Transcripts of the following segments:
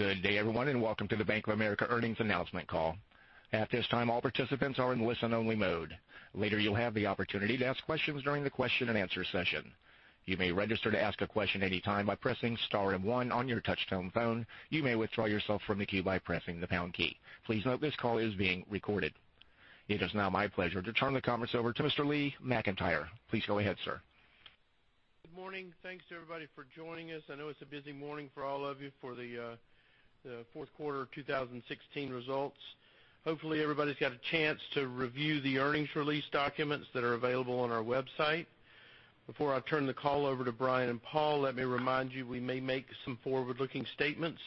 Good day, everyone, and welcome to the Bank of America earnings announcement call. At this time, all participants are in listen-only mode. Later, you'll have the opportunity to ask questions during the question and answer session. You may register to ask a question anytime by pressing star and one on your touch-tone phone. You may withdraw yourself from the queue by pressing the pound key. Please note this call is being recorded. It is now my pleasure to turn the conference over to Mr. Lee McEntire. Please go ahead, sir. Good morning. Thanks to everybody for joining us. I know it's a busy morning for all of you for the fourth quarter of 2016 results. Hopefully, everybody's got a chance to review the earnings release documents that are available on our website. Before I turn the call over to Brian and Paul, let me remind you, we may make some forward-looking statements.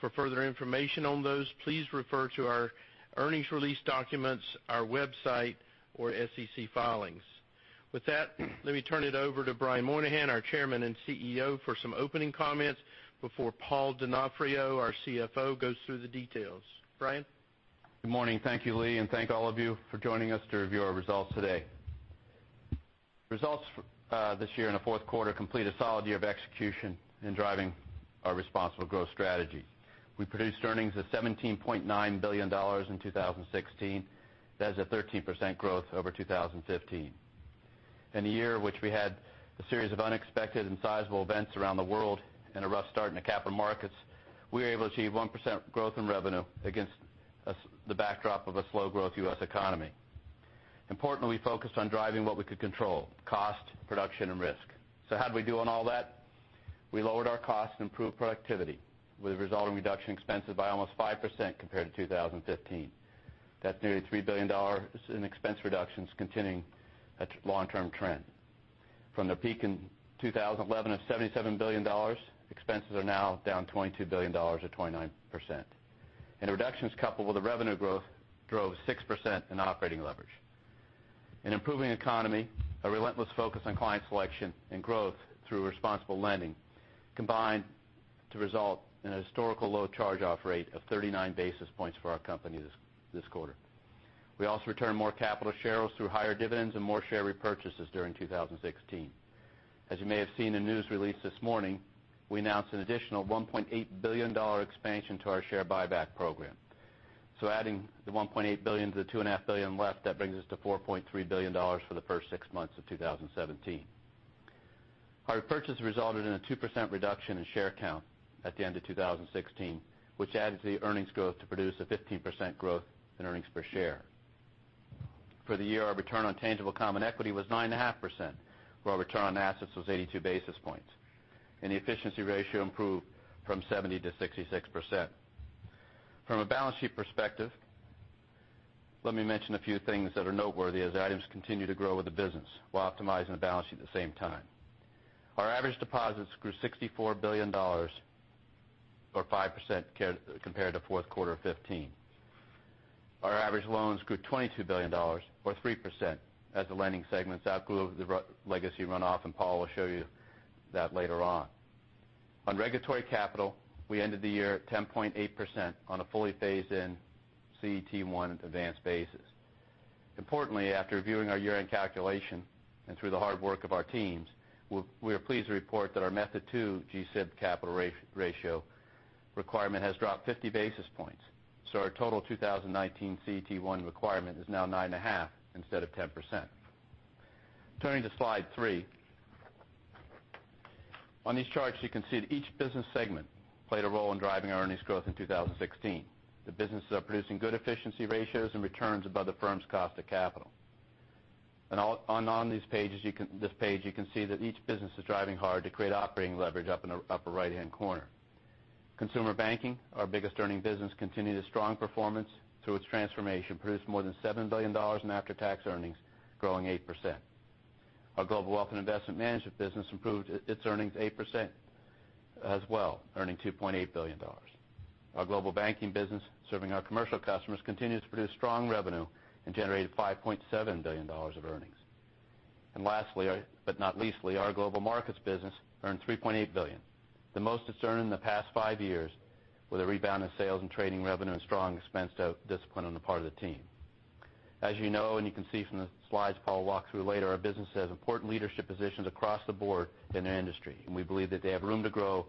For further information on those, please refer to our earnings release documents, our website, or SEC filings. With that, let me turn it over to Brian Moynihan, our Chairman and CEO, for some opening comments before Paul Donofrio, our CFO, goes through the details. Brian? Good morning. Thank you, Lee, and thank all of you for joining us to review our results today. Results this year in the fourth quarter complete a solid year of execution in driving our responsible growth strategy. We produced earnings of $17.9 billion in 2016. That is a 13% growth over 2015. In a year which we had a series of unexpected and sizable events around the world and a rough start in the capital markets, we were able to achieve 1% growth in revenue against the backdrop of a slow-growth U.S. economy. Importantly, we focused on driving what we could control, cost, production, and risk. How'd we do on all that? We lowered our cost and improved productivity with a resulting reduction in expenses by almost 5% compared to 2015. That's nearly $3 billion in expense reductions, continuing a long-term trend. From the peak in 2011 of $77 billion, expenses are now down $22 billion or 29%. The reductions coupled with the revenue growth drove 6% in operating leverage. An improving economy, a relentless focus on client selection, and growth through responsible lending combined to result in a historical low charge-off rate of 39 basis points for our company this quarter. We also returned more capital to shareholders through higher dividends and more share repurchases during 2016. As you may have seen in the news release this morning, we announced an additional $1.8 billion expansion to our share buyback program. Adding the $1.8 billion to the $2.5 billion left, that brings us to $4.3 billion for the first six months of 2017. Our repurchase resulted in a 2% reduction in share count at the end of 2016, which added to the earnings growth to produce a 15% growth in earnings per share. For the year, our return on tangible common equity was 9.5%, while return on assets was 82 basis points, and the efficiency ratio improved from 70% to 66%. From a balance sheet perspective, let me mention a few things that are noteworthy as items continue to grow with the business while optimizing the balance sheet at the same time. Our average deposits grew $64 billion or 5% compared to fourth quarter of 2015. Our average loans grew $22 billion or 3% as the lending segments outgrew the legacy runoff, and Paul will show you that later on. On regulatory capital, we ended the year at 10.8% on a fully phased-in CET1 advanced basis. Importantly, after reviewing our year-end calculation and through the hard work of our teams, we are pleased to report that our Method 2 GSIB capital ratio requirement has dropped 50 basis points. Our total 2019 CET1 requirement is now 9.5% instead of 10%. Turning to slide four. On these charts, you can see that each business segment played a role in driving our earnings growth in 2016. The businesses are producing good efficiency ratios and returns above the firm's cost of capital. On this page, you can see that each business is driving hard to create operating leverage up in the upper right-hand corner. Consumer Banking, our biggest earning business, continued a strong performance through its transformation, produced more than $7 billion in after-tax earnings, growing 8%. Our Global Wealth and Investment Management business improved its earnings 8% as well, earning $2.8 billion. Our Global Banking business, serving our commercial customers, continues to produce strong revenue and generated $5.7 billion of earnings. Lastly, but not leastly, our Global Markets business earned $3.8 billion. The most it's earned in the past five years, with a rebound in sales and trading revenue and strong expense discipline on the part of the team. As you know, and you can see from the slides Paul will walk through later, our business has important leadership positions across the board in the industry, and we believe that they have room to grow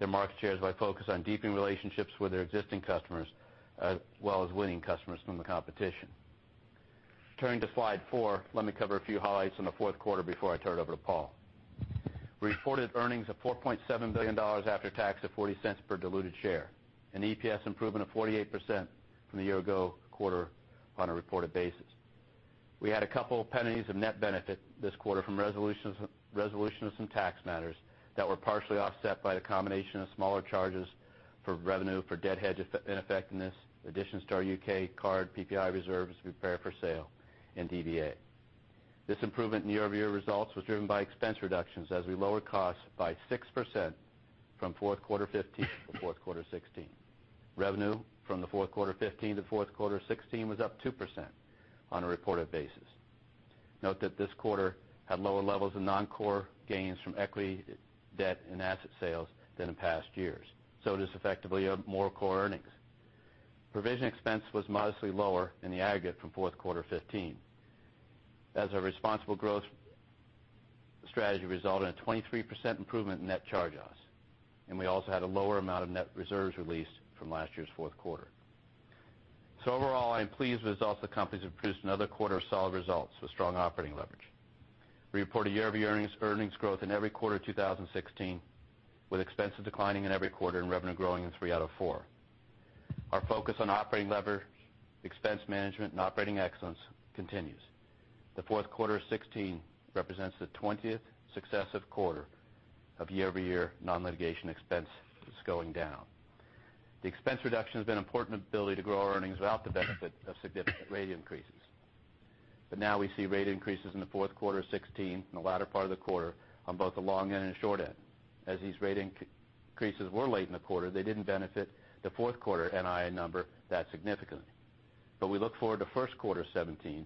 their market shares by focus on deepening relationships with their existing customers, as well as winning customers from the competition. Turning to slide four, let me cover a few highlights on the fourth quarter before I turn it over to Paul. Reported earnings of $4.7 billion, after tax of $0.40 per diluted share. An EPS improvement of 48% from the year-ago quarter on a reported basis. We had a couple penalties of net benefit this quarter from resolution of some tax matters that were partially offset by the combination of smaller charges for revenue for debt hedge ineffectiveness, additions to our U.K. card PPI reserves prepared for sale, and DVA. This improvement in year-over-year results was driven by expense reductions as we lowered costs by 6% from fourth quarter 2015 to fourth quarter 2016. Revenue from the fourth quarter 2015 to fourth quarter 2016 was up 2% on a reported basis. Note that this quarter had lower levels of non-core gains from equity, debt, and asset sales than in past years. It is effectively more core earnings. Provision expense was modestly lower in the aggregate from fourth quarter 2015. The strategy resulted in a 23% improvement in net charge-offs, and we also had a lower amount of net reserves released from last year's fourth quarter. Overall, I am pleased with the results. The company's produced another quarter of solid results with strong operating leverage. We report a year-over-year earnings growth in every quarter of 2016, with expenses declining in every quarter and revenue growing in three out of four. Our focus on operating lever, expense management, and operating excellence continues. The fourth quarter of 2016 represents the 20th successive quarter of year-over-year non-litigation expenses going down. The expense reduction has been an important ability to grow our earnings without the benefit of significant rate increases. Now we see rate increases in the fourth quarter of 2016, in the latter part of the quarter, on both the long end and the short end. These rate increases were late in the quarter, they didn't benefit the fourth quarter NII number that significantly. We look forward to first quarter 2017,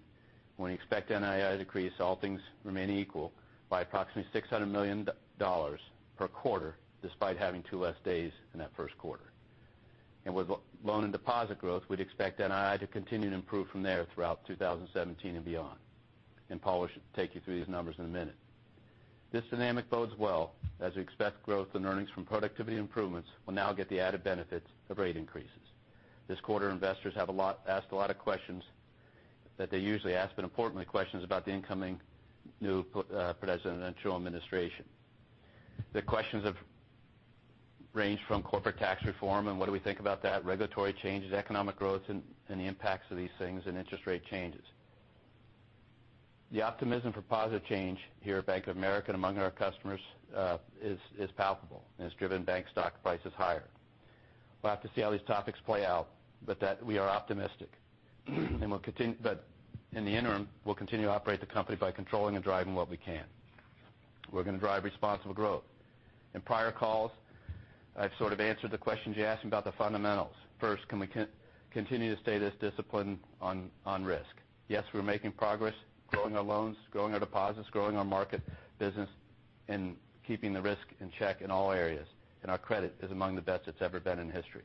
when we expect NII to increase, all things remaining equal, by approximately $600 million per quarter, despite having two less days in that first quarter. With loan and deposit growth, we'd expect NII to continue to improve from there throughout 2017 and beyond. Paul will take you through these numbers in a minute. This dynamic bodes well, as we expect growth in earnings from productivity improvements will now get the added benefits of rate increases. This quarter, investors have asked a lot of questions that they usually ask, importantly, questions about the incoming new presidential administration. The questions have ranged from corporate tax reform and what do we think about that, regulatory changes, economic growth, and the impacts of these things, and interest rate changes. The optimism for positive change here at Bank of America and among our customers is palpable and has driven bank stock prices higher. We'll have to see how these topics play out, we are optimistic. In the interim, we'll continue to operate the company by controlling and driving what we can. We're going to drive responsible growth. In prior calls, I've sort of answered the questions you asked me about the fundamentals. First, can we continue to stay this disciplined on risk? Yes, we're making progress growing our loans, growing our deposits, growing our market business, and keeping the risk in check in all areas, and our credit is among the best it's ever been in history.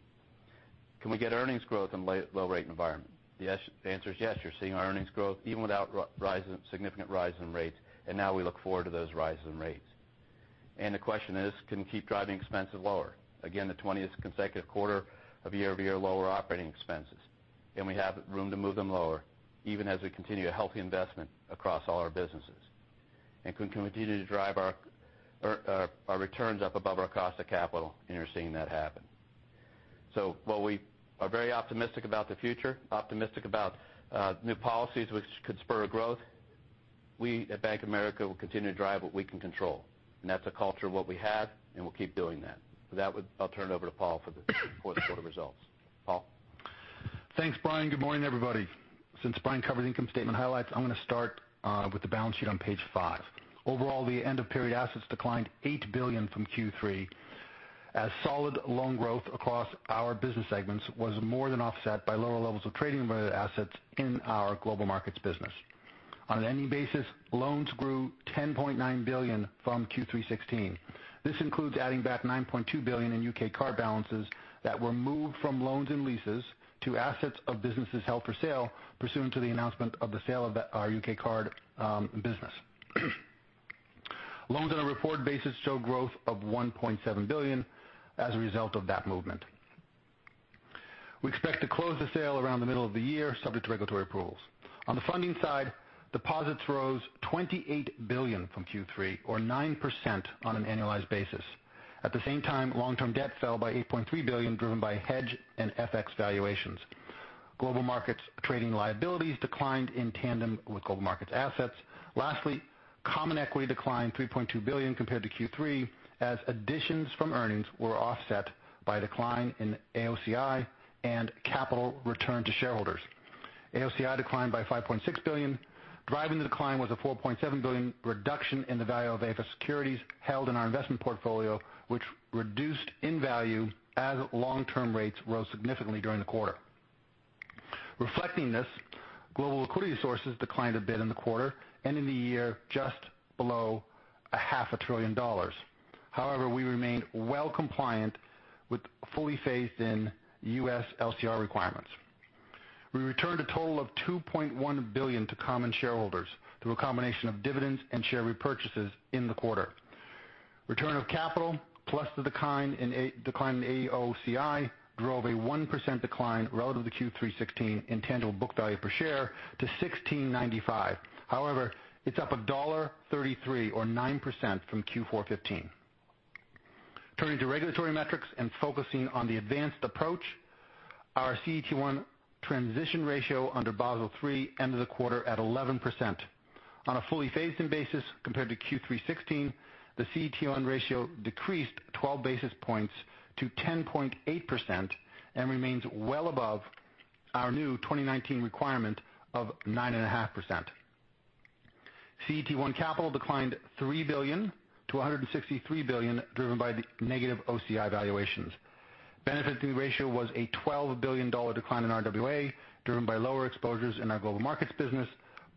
Can we get earnings growth in a low-rate environment? The answer is yes. You're seeing our earnings growth even without significant rise in rates, and now we look forward to those rises in rates. The question is, can we keep driving expenses lower? Again, the 20th consecutive quarter of year-over-year lower operating expenses. We have room to move them lower, even as we continue a healthy investment across all our businesses. Can we continue to drive our returns up above our cost of capital? You're seeing that happen. While we are very optimistic about the future, optimistic about new policies which could spur growth, we at Bank of America will continue to drive what we can control. That's a culture of what we have, and we'll keep doing that. With that, I'll turn it over to Paul for the fourth quarter results. Paul? Thanks, Brian. Good morning, everybody. Since Brian covered the income statement highlights, I'm going to start with the balance sheet on page five. Overall, the end-of-period assets declined $8 billion from Q3 as solid loan growth across our business segments was more than offset by lower levels of trading-related assets in our Global Markets business. On an ending basis, loans grew $10.9 billion from Q3 2016. This includes adding back $9.2 billion in U.K. card balances that were moved from loans and leases to assets of businesses held for sale pursuant to the announcement of the sale of our U.K. card business. Loans on a reported basis show growth of $1.7 billion as a result of that movement. We expect to close the sale around the middle of the year, subject to regulatory approvals. On the funding side, deposits rose $28 billion from Q3, or 9% on an annualized basis. At the same time, long-term debt fell by $8.3 billion, driven by hedge and FX valuations. Global Markets trading liabilities declined in tandem with Global Markets assets. Lastly, common equity declined $3.2 billion compared to Q3 as additions from earnings were offset by a decline in AOCI and capital returned to shareholders. AOCI declined by $5.6 billion. Driving the decline was a $4.7 billion reduction in the value of AFS securities held in our investment portfolio, which reduced in value as long-term rates rose significantly during the quarter. Reflecting this, global liquidity sources declined a bit in the quarter and in the year, just below a half a trillion dollars. However, we remain well compliant with fully phased-in U.S. LCR requirements. We returned a total of $2.1 billion to common shareholders through a combination of dividends and share repurchases in the quarter. Return of capital plus the decline in AOCI drove a 1% decline relative to Q3 2016 in tangible book value per share to $16.95. However, it's up $1.33, or 9%, from Q4 2015. Turning to regulatory metrics and focusing on the advanced approach, our CET1 transition ratio under Basel III ended the quarter at 11%. On a fully phased-in basis compared to Q3 2016, the CET1 ratio decreased 12 basis points to 10.8% and remains well above our new 2019 requirement of 9.5%. CET1 capital declined $3 billion to $163 billion, driven by the negative OCI valuations. Benefiting the ratio was a $12 billion decline in RWA, driven by lower exposures in our Global Markets business,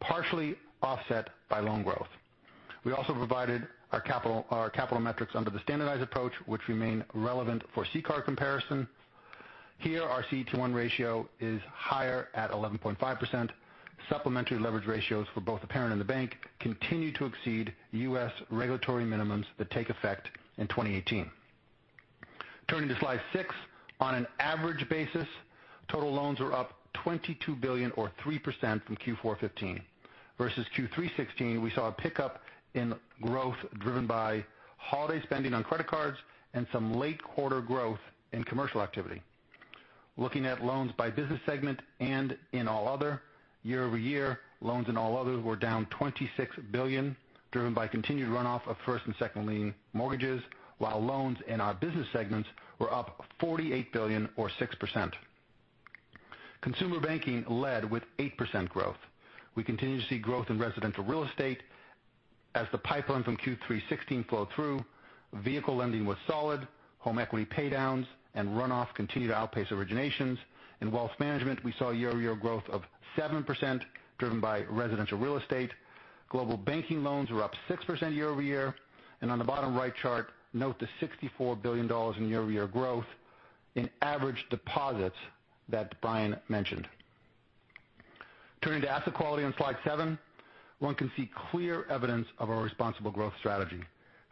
partially offset by loan growth. We also provided our capital metrics under the standardized approach, which remain relevant for CCAR comparison. Here, our CET1 ratio is higher at 11.5%. Supplementary leverage ratios for both the parent and the bank continue to exceed U.S. regulatory minimums that take effect in 2018. Turning to slide six. On an average basis, total loans are up $22 billion or 3% from Q4 2015. Versus Q3 2016, we saw a pickup in growth driven by holiday spending on credit cards and some late quarter growth in commercial activity. Looking at loans by business segment and in all other, year-over-year loans in all others were down $26 billion, driven by continued runoff of first and second lien mortgages, while loans in our business segments were up $48 billion or 6%. Consumer Banking led with 8% growth. We continue to see growth in residential real estate as the pipeline from Q3 2016 flow through. Vehicle lending was solid. Home equity paydowns and runoff continued to outpace originations. In wealth management, we saw year-over-year growth of 7%, driven by residential real estate. Global Banking loans were up 6% year-over-year. On the bottom right chart, note the $64 billion in year-over-year growth in average deposits that Brian mentioned. Turning to asset quality on slide seven, one can see clear evidence of our responsible growth strategy.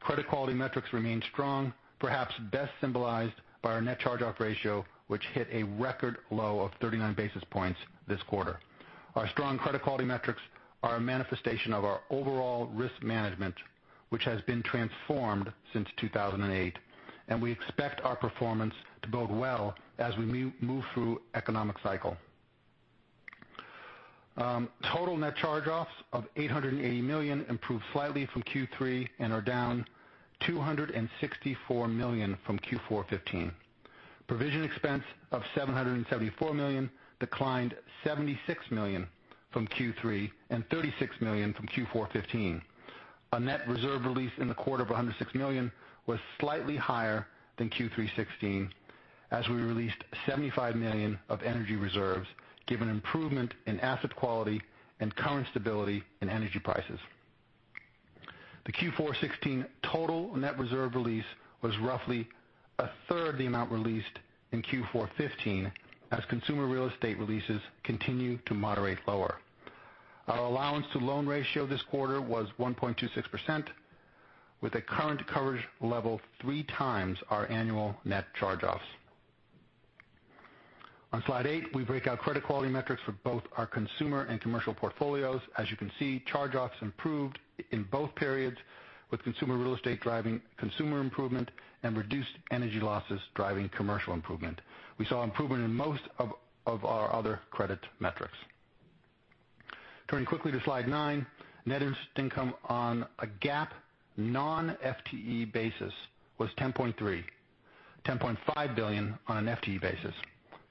Credit quality metrics remain strong, perhaps best symbolized by our net charge-off ratio, which hit a record low of 39 basis points this quarter. Our strong credit quality metrics are a manifestation of our overall risk management, which has been transformed since 2008, and we expect our performance to bode well as we move through economic cycle. Total net charge-offs of $880 million improved slightly from Q3 and are down $264 million from Q4 2015. Provision expense of $774 million, declined $76 million from Q3 and $36 million from Q4 2015. A net reserve release in the quarter of $106 million was slightly higher than Q3 2016, as we released $75 million of energy reserves given improvement in asset quality and current stability in energy prices. The Q4 2016 total net reserve release was roughly a third the amount released in Q4 2015, as consumer real estate releases continued to moderate lower. Our allowance to loan ratio this quarter was 1.26%, with a current coverage level three times our annual net charge-offs. On slide eight, we break out credit quality metrics for both our consumer and commercial portfolios. As you can see, charge-offs improved in both periods with consumer real estate driving consumer improvement and reduced energy losses driving commercial improvement. We saw improvement in most of our other credit metrics. Turning quickly to slide nine. Net interest income on a GAAP non-FTE basis was $10.3 billion, $10.5 billion on an FTE basis.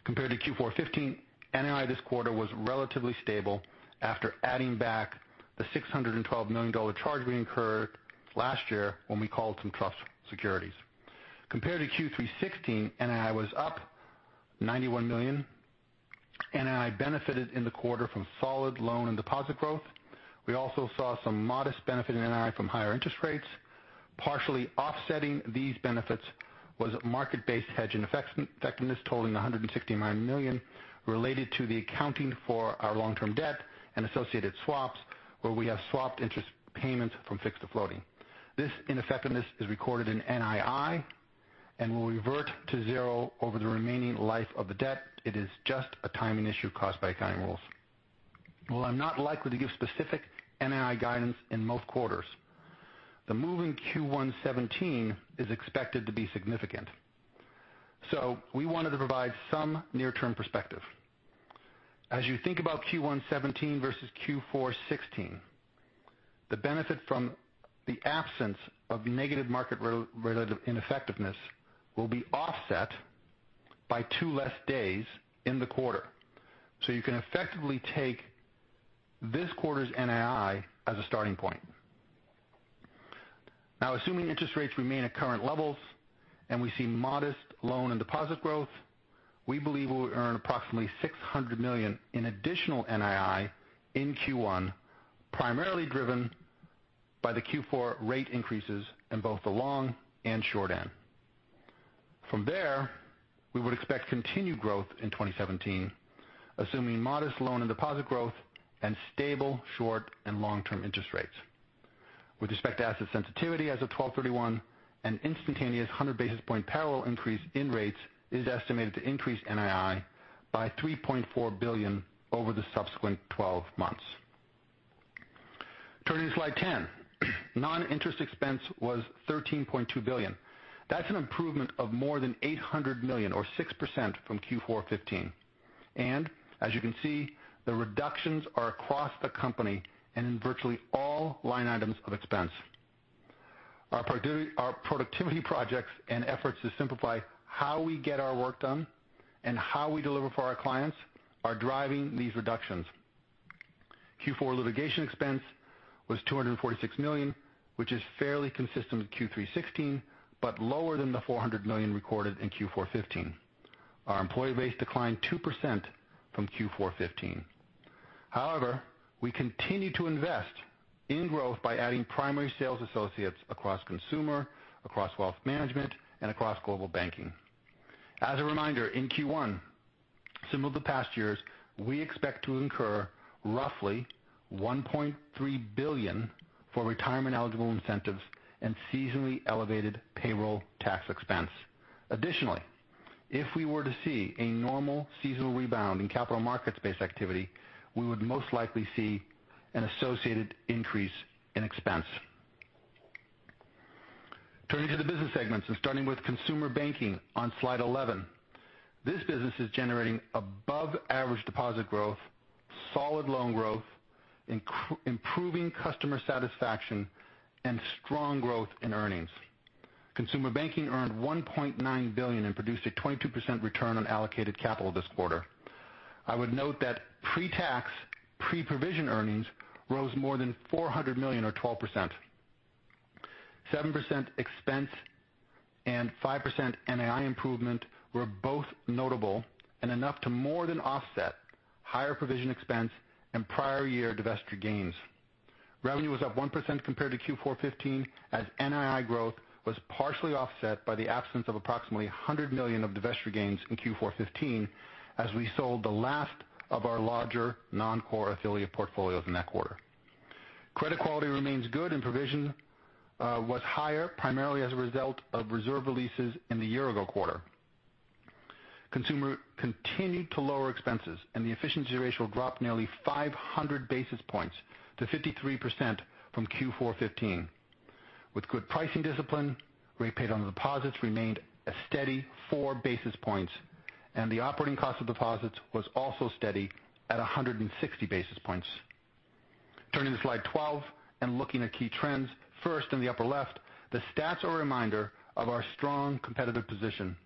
Compared to Q4 2015, NII this quarter was relatively stable after adding back the $612 million charge we incurred last year when we called some trust securities. Compared to Q3 2016, NII was up $91 million. NII benefited in the quarter from solid loan and deposit growth. We also saw some modest benefit in NII from higher interest rates. Partially offsetting these benefits was market-based hedge ineffectiveness totaling $169 million, related to the accounting for our long-term debt and associated swaps, where we have swapped interest payments from fixed to floating. This ineffectiveness is recorded in NII and will revert to zero over the remaining life of the debt. It is just a timing issue caused by accounting rules. While I'm not likely to give specific NII guidance in most quarters, the move in Q1 2017 is expected to be significant. So we wanted to provide some near-term perspective. As you think about Q1 2017 versus Q4 2016, the benefit from the absence of negative market-related ineffectiveness will be offset by two less days in the quarter. So you can effectively take this quarter's NII as a starting point. Now, assuming interest rates remain at current levels and we see modest loan and deposit growth, we believe we will earn approximately $600 million in additional NII in Q1, primarily driven by the Q4 rate increases in both the long and short end. From there, we would expect continued growth in 2017, assuming modest loan and deposit growth and stable short and long-term interest rates. With respect to asset sensitivity as of 12/31, an instantaneous 100 basis points parallel increase in rates is estimated to increase NII by $3.4 billion over the subsequent 12 months. Turning to slide 10. Non-interest expense was $13.2 billion. That's an improvement of more than $800 million or 6% from Q4 2015. As you can see, the reductions are across the company and in virtually all line items of expense. Our productivity projects and efforts to simplify how we get our work done and how we deliver for our clients are driving these reductions. Q4 litigation expense was $246 million, which is fairly consistent with Q3 2016, but lower than the $400 million recorded in Q4 2015. Our employee base declined 2% from Q4 2015. We continue to invest in growth by adding primary sales associates across Consumer Banking, across Global Wealth and Investment Management, and across Global Banking. As a reminder, in Q1, similar to past years, we expect to incur roughly $1.3 billion for retirement-eligible incentives and seasonally elevated payroll tax expense. Additionally, if we were to see a normal seasonal rebound in capital markets-based activity, we would most likely see an associated increase in expense. Turning to the business segments and starting with Consumer Banking on slide 11. This business is generating above-average deposit growth, solid loan growth, improving customer satisfaction, and strong growth in earnings. Consumer Banking earned $1.9 billion and produced a 22% return on allocated capital this quarter. I would note that pre-tax, pre-provision earnings rose more than $400 million or 12%. 7% expense and 5% NII improvement were both notable and enough to more than offset higher provision expense and prior year divestiture gains. Revenue was up 1% compared to Q4 2015 as NII growth was partially offset by the absence of approximately $100 million of divestiture gains in Q4 2015, as we sold the last of our larger non-core affiliate portfolios in that quarter. Credit quality remains good and provision was higher, primarily as a result of reserve releases in the year-ago quarter. Consumer continued to lower expenses, and the efficiency ratio dropped nearly 500 basis points to 53% from Q4 2015. With good pricing discipline, rate paid on deposits remained a steady four basis points, and the operating cost of deposits was also steady at 160 basis points. Turning to slide 12 and looking at key trends. First, in the upper left, the stats are a reminder of our strong competitive position.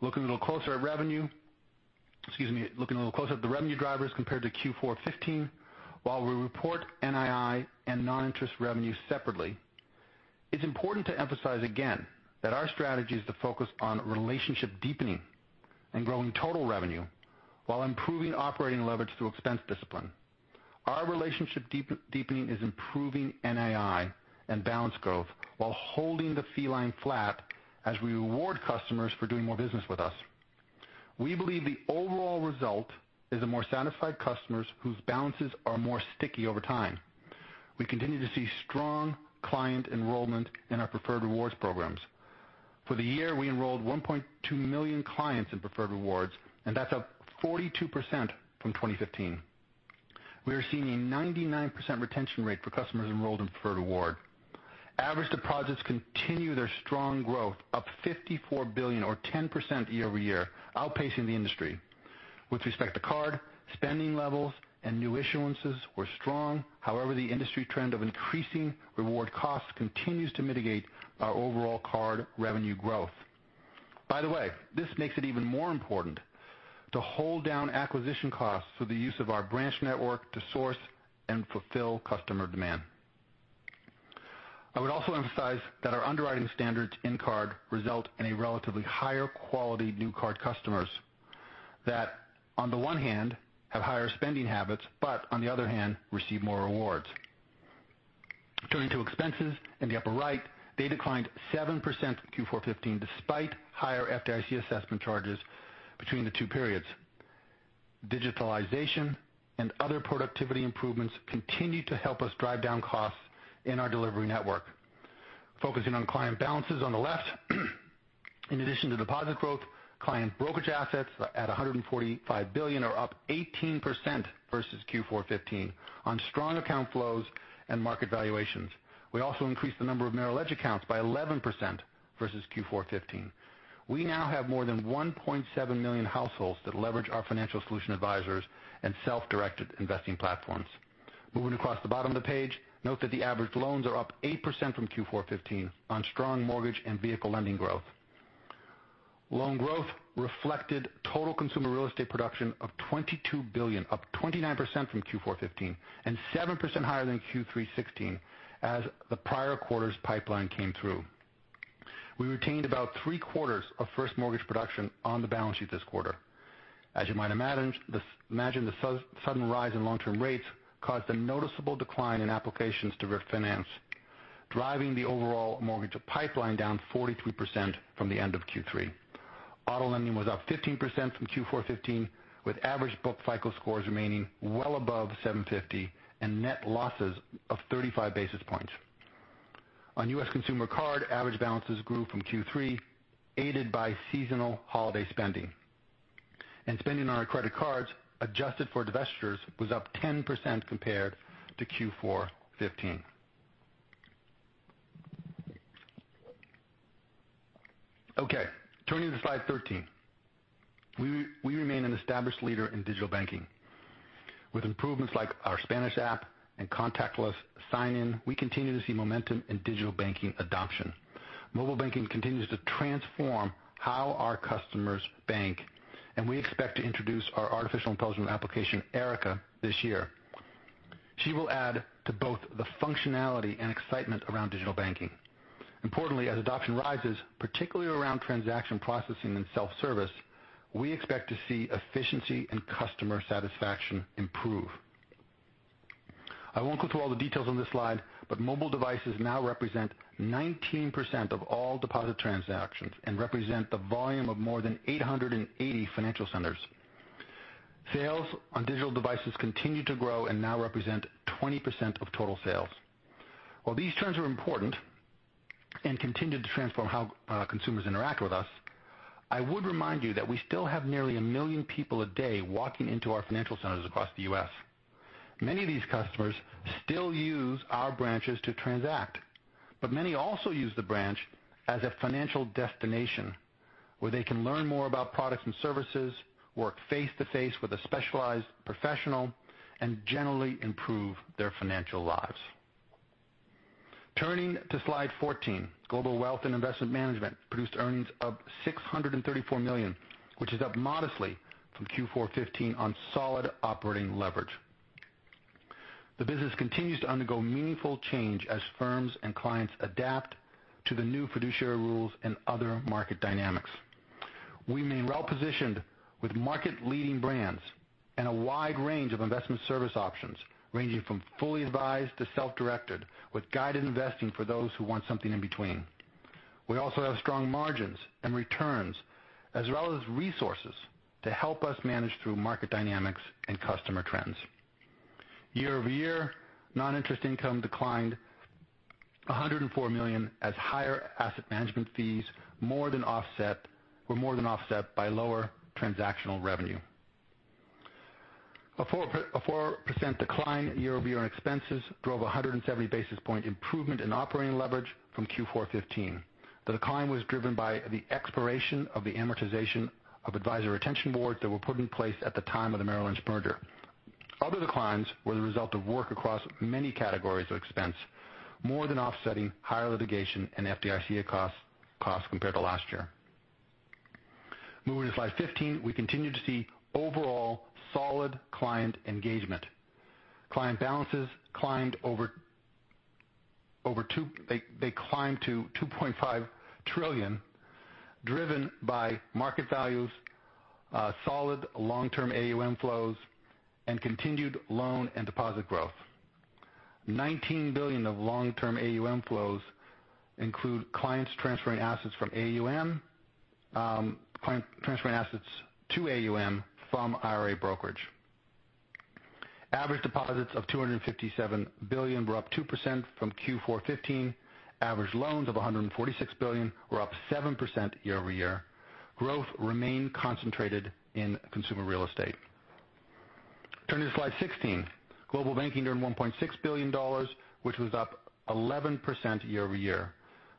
Looking a little closer at revenue. Excuse me. Looking a little closer at the revenue drivers compared to Q4 2015. While we report NII and non-interest revenue separately, it's important to emphasize again that our strategy is to focus on relationship deepening and growing total revenue while improving operating leverage through expense discipline. Our relationship deepening is improving NII and balance growth while holding the fee line flat as we reward customers for doing more business with us. We believe the overall result is the more satisfied customers whose balances are more sticky over time. We continue to see strong client enrollment in our Preferred Rewards programs. For the year, we enrolled 1.2 million clients in Preferred Rewards, and that's up 42% from 2015. We are seeing a 99% retention rate for customers enrolled in Preferred Reward. Average deposits continue their strong growth, up $54 billion or 10% year-over-year, outpacing the industry. With respect to card, spending levels and new issuances were strong. However, the industry trend of increasing reward costs continues to mitigate our overall card revenue growth. By the way, this makes it even more important to hold down acquisition costs through the use of our branch network to source and fulfill customer demand. I would also emphasize that our underwriting standards in card result in a relatively higher quality new card customers that, on the one hand, have higher spending habits, but on the other hand, receive more rewards. Turning to expenses in the upper right. They declined 7% from Q4 2015 despite higher FDIC assessment charges between the two periods. Digitalization and other productivity improvements continue to help us drive down costs in our delivery network. Focusing on client balances on the left. In addition to deposit growth, client brokerage assets at $145 billion are up 18% versus Q4 2015 on strong account flows and market valuations. We also increased the number of Merrill Edge accounts by 11% versus Q4 2015. We now have more than 1.7 million households that leverage our financial solution advisors and self-directed investing platforms. Moving across the bottom of the page, note that the average loans are up 8% from Q4 2015 on strong mortgage and vehicle lending growth. Loan growth reflected total consumer real estate production of $22 billion, up 29% from Q4 2015 and 7% higher than Q3 2016 as the prior quarter's pipeline came through. We retained about three-quarters of first mortgage production on the balance sheet this quarter. As you might imagine, the sudden rise in long-term rates caused a noticeable decline in applications to refinance, driving the overall mortgage pipeline down 43% from the end of Q3. Auto lending was up 15% from Q4 2015, with average book FICO scores remaining well above 750 and net losses of 35 basis points. On U.S. consumer card, average balances grew from Q3, aided by seasonal holiday spending. Spending on our credit cards, adjusted for divestitures, was up 10% compared to Q4 2015. Okay. Turning to slide 13. We remain an established leader in digital banking. With improvements like our Spanish app and contactless sign-in, we continue to see momentum in digital banking adoption. Mobile banking continues to transform how our customers bank, and we expect to introduce our artificial intelligence application, Erica, this year. She will add to both the functionality and excitement around digital banking. Importantly, as adoption rises, particularly around transaction processing and self-service, we expect to see efficiency and customer satisfaction improve. I won't go through all the details on this slide, but mobile devices now represent 19% of all deposit transactions and represent the volume of more than 880 financial centers. Sales on digital devices continue to grow and now represent 20% of total sales. While these trends are important and continue to transform how consumers interact with us, I would remind you that we still have nearly a million people a day walking into our financial centers across the U.S. Many of these customers still use our branches to transact, but many also use the branch as a financial destination where they can learn more about products and services, work face-to-face with a specialized professional, and generally improve their financial lives. Turning to slide 14, Global Wealth and Investment Management produced earnings of $634 million, which is up modestly from Q4 2015 on solid operating leverage. The business continues to undergo meaningful change as firms and clients adapt to the new fiduciary rules and other market dynamics. We remain well-positioned with market-leading brands and a wide range of investment service options, ranging from fully advised to self-directed with guided investing for those who want something in between. We also have strong margins and returns, as well as resources to help us manage through market dynamics and customer trends. year-over-year, non-interest income declined $104 million as higher asset management fees were more than offset by lower transactional revenue. A 4% decline year-over-year in expenses drove 170 basis points improvement in operating leverage from Q4 2015. The decline was driven by the expiration of the amortization of advisor retention boards that were put in place at the time of the Merrill Lynch merger. Other declines were the result of work across many categories of expense, more than offsetting higher litigation and FDIC costs compared to last year. Moving to slide 15, we continue to see overall solid client engagement. Client balances climbed to $2.5 trillion, driven by market values, solid long-term AUM flows, and continued loan and deposit growth. $19 billion of long-term AUM flows include clients transferring assets to AUM from IRA brokerage. Average deposits of $257 billion were up 2% from Q4 2015. Average loans of $146 billion were up 7% year-over-year. Growth remained concentrated in consumer real estate. Turning to slide 16. Global Banking earned $1.6 billion, which was up 11% year-over-year.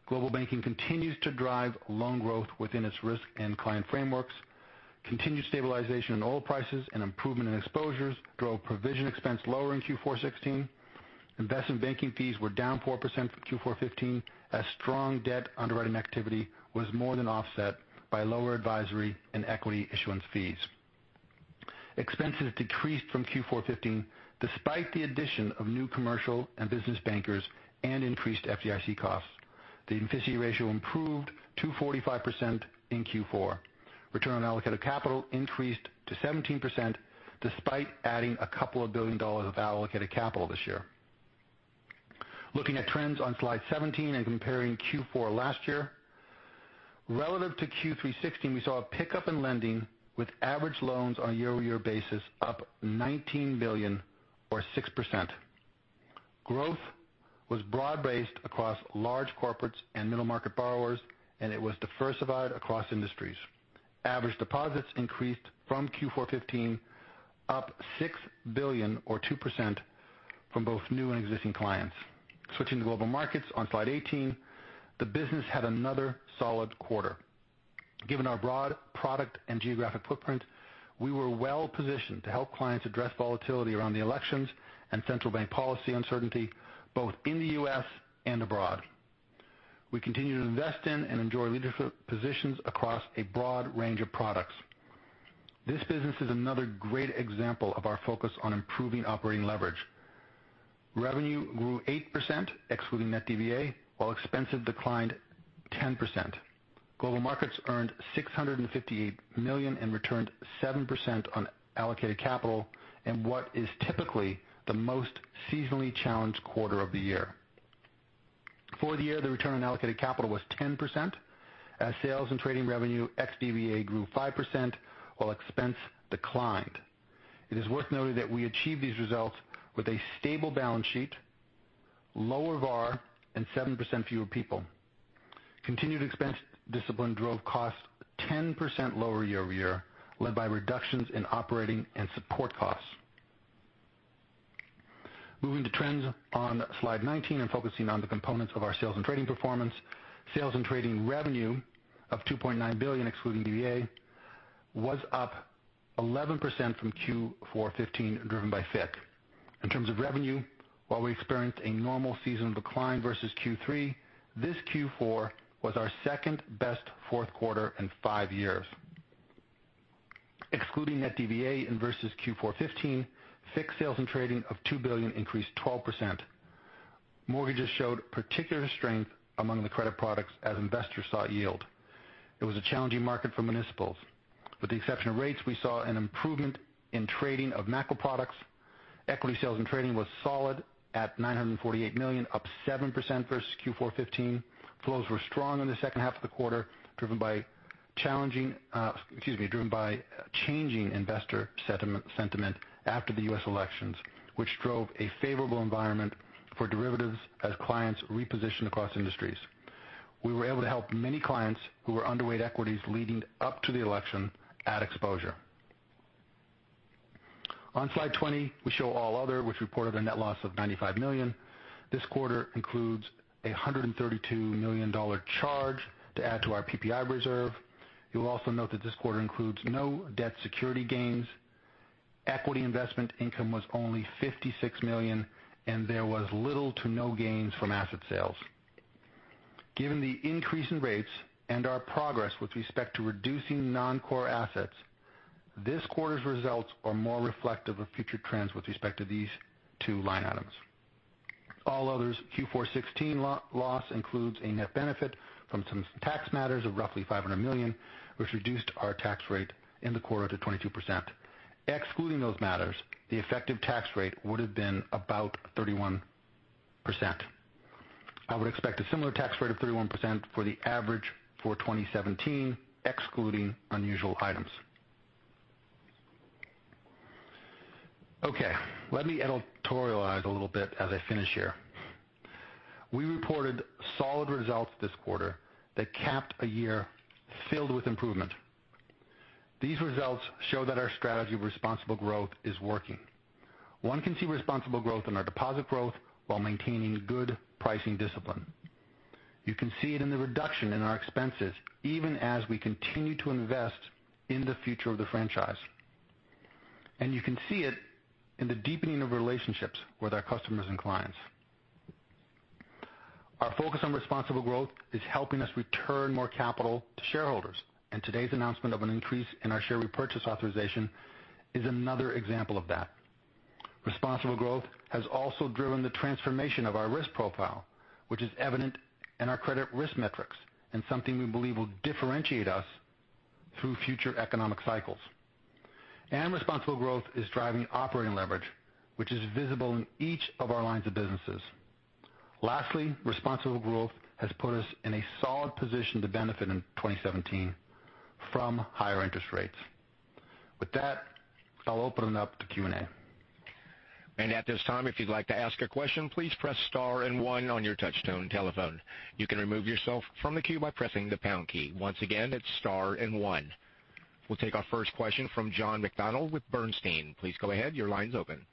Global Banking continues to drive loan growth within its risk and client frameworks. Continued stabilization in oil prices and improvement in exposures drove provision expense lower in Q4 2016. Investment banking fees were down 4% from Q4 2015, as strong debt underwriting activity was more than offset by lower advisory and equity issuance fees. Expenses decreased from Q4 2015 despite the addition of new commercial and business bankers and increased FDIC costs. The efficiency ratio improved to 45% in Q4. Return on allocated capital increased to 17% despite adding a couple of billion dollars of allocated capital this year. Looking at trends on slide 17 and comparing Q4 last year. Relative to Q3 2016, we saw a pickup in lending with average loans on a year-over-year basis up $19 billion or 6%. Growth was broad-based across large corporates and middle market borrowers, and it was diversified across industries. Average deposits increased from Q4 2015, up $6 billion or 2% from both new and existing clients. Switching to Global Markets on slide 18. The business had another solid quarter. Given our broad product and geographic footprint, we were well-positioned to help clients address volatility around the elections and central bank policy uncertainty, both in the U.S. and abroad. We continue to invest in and enjoy leadership positions across a broad range of products. This business is another great example of our focus on improving operating leverage. Revenue grew 8%, excluding net DVA, while expenses declined 10%. Global Markets earned $658 million and returned 7% on allocated capital in what is typically the most seasonally challenged quarter of the year. For the year, the return on allocated capital was 10%, as sales and trading revenue ex-DVA grew 5%, while expense declined. It is worth noting that we achieved these results with a stable balance sheet, lower VAR, and 7% fewer people. Continued expense discipline drove costs 10% lower year-over-year, led by reductions in operating and support costs. Moving to trends on slide 19 and focusing on the components of our sales and trading performance. Sales and trading revenue of $2.9 billion, excluding DVA, was up 11% from Q4'15, driven by FICC. In terms of revenue, while we experienced a normal seasonal decline versus Q3, this Q4 was our second-best fourth quarter in five years. Excluding net DVA and versus Q4 15, FICC sales and trading of $2 billion increased 12%. Mortgages showed particular strength among the credit products as investors sought yield. It was a challenging market for municipals. With the exception of rates, we saw an improvement in trading of macro products. Equity sales and trading was solid at $948 million, up 7% versus Q4 15. Flows were strong in the second half of the quarter, driven by changing investor sentiment after the U.S. elections, which drove a favorable environment for derivatives as clients repositioned across industries. We were able to help many clients who were underweight equities leading up to the election add exposure. On slide 20, we show All Other, which reported a net loss of $95 million. This quarter includes a $132 million charge to add to our PPI reserve. You'll also note that this quarter includes no debt security gains. Equity investment income was only $56 million, and there was little to no gains from asset sales. Given the increase in rates and our progress with respect to reducing non-core assets, this quarter's results are more reflective of future trends with respect to these two line items. All Other's Q4 16 loss includes a net benefit from some tax matters of roughly $500 million, which reduced our tax rate in the quarter to 22%. Excluding those matters, the effective tax rate would've been about 31%. I would expect a similar tax rate of 31% for the average for 2017, excluding unusual items. Okay, let me editorialize a little bit as I finish here. We reported solid results this quarter that capped a year filled with improvement. These results show that our strategy of responsible growth is working. One can see responsible growth in our deposit growth while maintaining good pricing discipline. You can see it in the reduction in our expenses, even as we continue to invest in the future of the franchise. You can see it in the deepening of relationships with our customers and clients. Our focus on responsible growth is helping us return more capital to shareholders, today's announcement of an increase in our share repurchase authorization is another example of that. Responsible growth has also driven the transformation of our risk profile, which is evident in our credit risk metrics, and something we believe will differentiate us through future economic cycles. Responsible growth is driving operating leverage, which is visible in each of our lines of businesses. Lastly, responsible growth has put us in a solid position to benefit in 2017 from higher interest rates. With that, I'll open it up to Q&A. At this time, if you'd like to ask a question, please press star and one on your touchtone telephone. You can remove yourself from the queue by pressing the pound key. Once again, it's star and one. We'll take our first question from John McDonald with Bernstein. Please go ahead. Your line's open.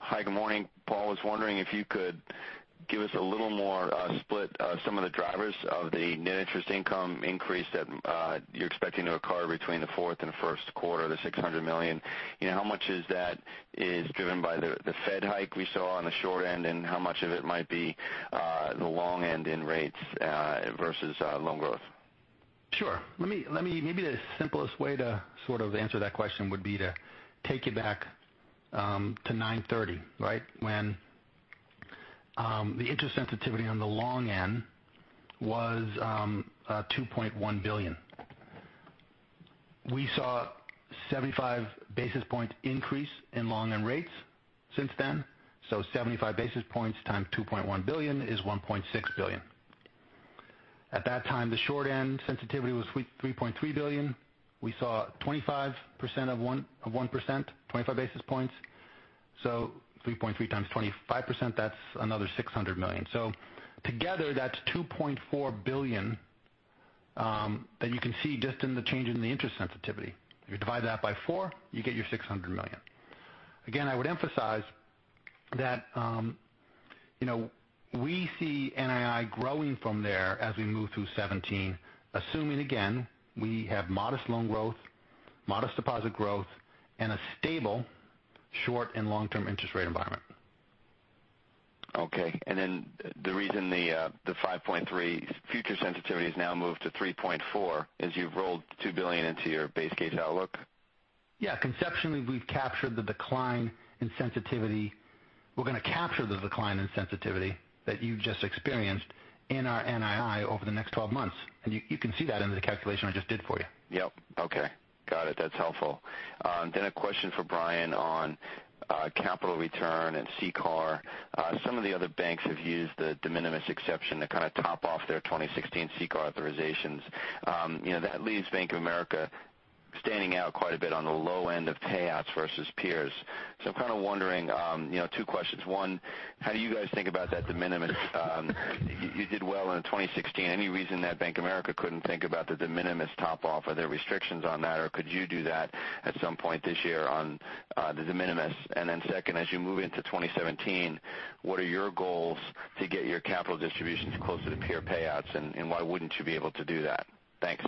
Hi, good morning. Paul, I was wondering if you could give us a little more split of some of the drivers of the net interest income increase that you're expecting to occur between the fourth and the first quarter, the $600 million. How much of that is driven by the Fed hike we saw on the short end, and how much of it might be the long end in rates versus loan growth? Sure. Maybe the simplest way to sort of answer that question would be to take you back to 9/30, right? When the interest sensitivity on the long end was $2.1 billion. We saw a 75-basis-point increase in long end rates since then. So 75 basis points times $2.1 billion is $1.6 billion. At that time, the short end sensitivity was $3.3 billion. We saw 25% of 1%, 25 basis points. So 3.3 times 25%, that's another $600 million. So together, that's $2.4 billion that you can see just in the change in the interest sensitivity. If you divide that by four, you get your $600 million. Again, I would emphasize that we see NII growing from there as we move through 2017, assuming, again, we have modest loan growth, modest deposit growth, and a stable short and long-term interest rate environment. Okay. Then the reason the 5.3 future sensitivity has now moved to 3.4 is you've rolled $2 billion into your base case outlook? Yeah. Conceptually, we've captured the decline in sensitivity. We're going to capture the decline in sensitivity that you just experienced in our NII over the next 12 months. You can see that in the calculation I just did for you. Yep. Okay. Got it. That's helpful. A question for Brian on capital return and CCAR. Some of the other banks have used the de minimis exception to kind of top off their 2016 CCAR authorizations. That leaves Bank of America standing out quite a bit on the low end of payouts versus peers. I'm kind of wondering, two questions. One, how do you guys think about that de minimis? You did well in 2016. Any reason that Bank of America couldn't think about the de minimis top off? Are there restrictions on that, or could you do that at some point this year on the de minimis? Second, as you move into 2017, what are your goals to get your capital distributions closer to peer payouts, and why wouldn't you be able to do that? Thanks.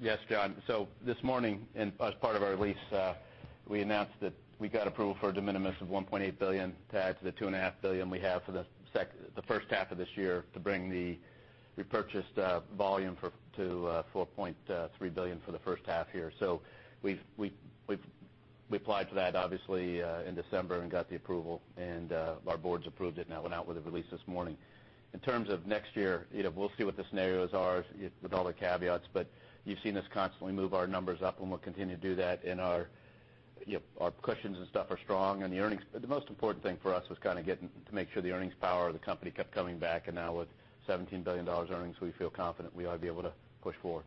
Yes, John. This morning, as part of our release, we announced that we got approval for a de minimis of $1.8 billion to add to the $2.5 billion we have for the first half of this year to bring the repurchased volume to $4.3 billion for the first half here. We've applied to that obviously in December and got the approval, and our boards approved it and that went out with the release this morning. In terms of next year, we'll see what the scenarios are with all the caveats, you've seen us constantly move our numbers up and we'll continue to do that in our cushions and stuff are strong and the earnings. The most important thing for us was kind of getting to make sure the earnings power of the company kept coming back, and now with $17 billion earnings, we feel confident we ought to be able to push forward.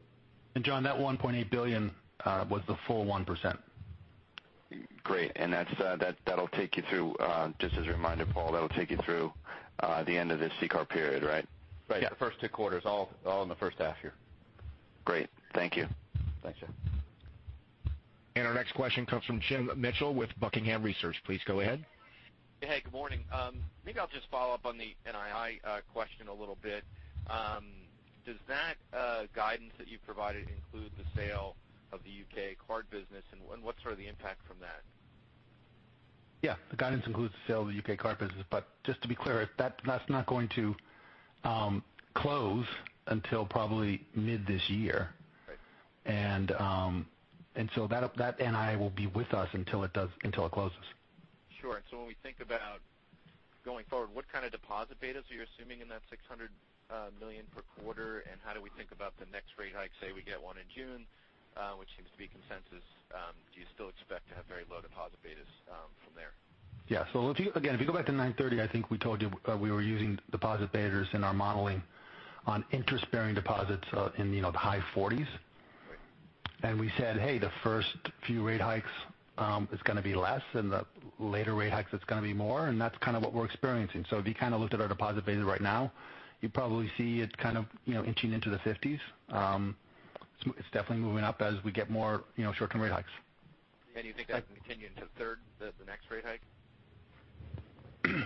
John, that $1.8 billion was the full 1%. Great. That'll take you through, just as a reminder, Paul, that'll take you through the end of the CCAR period, right? Right. Yeah. The first two quarters, all in the first half year. Great. Thank you. Thanks, John. Our next question comes from Jim Mitchell with Buckingham Research. Please go ahead. Hey, good morning. Maybe I'll just follow up on the NII question a little bit. Does that guidance that you provided include the sale of the U.K. card business and what's sort of the impact from that? Yeah. The guidance includes the sale of the U.K. card business, but just to be clear, that's not going to close until probably mid this year. Right. That NII will be with us until it closes. Sure. When we think about going forward, what kind of deposit betas are you assuming in that $600 million per quarter, and how do we think about the next rate hike? Say, we get one in June, which seems to be consensus, do you still expect to have very low deposit betas from there? Yeah. Again, if you go back to 9/30, I think we told you we were using deposit betas in our modeling on interest-bearing deposits in the high 40s. Right. We said, "Hey, the first few rate hikes is going to be less, the later rate hikes, it's going to be more," that's kind of what we're experiencing. If you looked at our deposit betas right now, you probably see it kind of inching into the 50s. It's definitely moving up as we get more short-term rate hikes. Do you think that can continue into third, the next rate hike?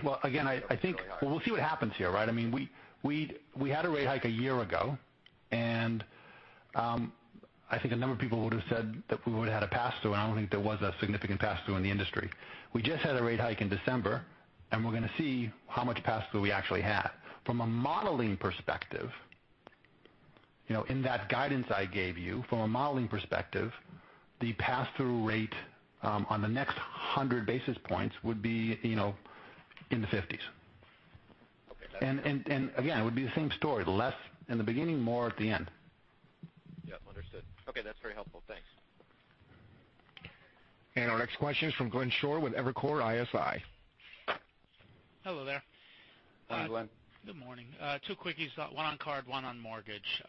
Well, again. Are we going to see it really rise? Well, we'll see what happens here, right? We had a rate hike a year ago, and I think a number of people would've said that we would've had a pass-through. I don't think there was a significant pass-through in the industry. We just had a rate hike in December. We're going to see how much pass-through we actually had. From a modeling perspective, in that guidance I gave you, from a modeling perspective, the pass-through rate on the next 100 basis points would be in the 50s. Okay, that's. Again, it would be the same story, less in the beginning, more at the end. Yep, understood. Okay, that's very helpful. Thanks. Our next question is from Glenn Schorr with Evercore ISI. Hello there. Hi, Glenn. Good morning. Two quickies, one on card, one on mortgage.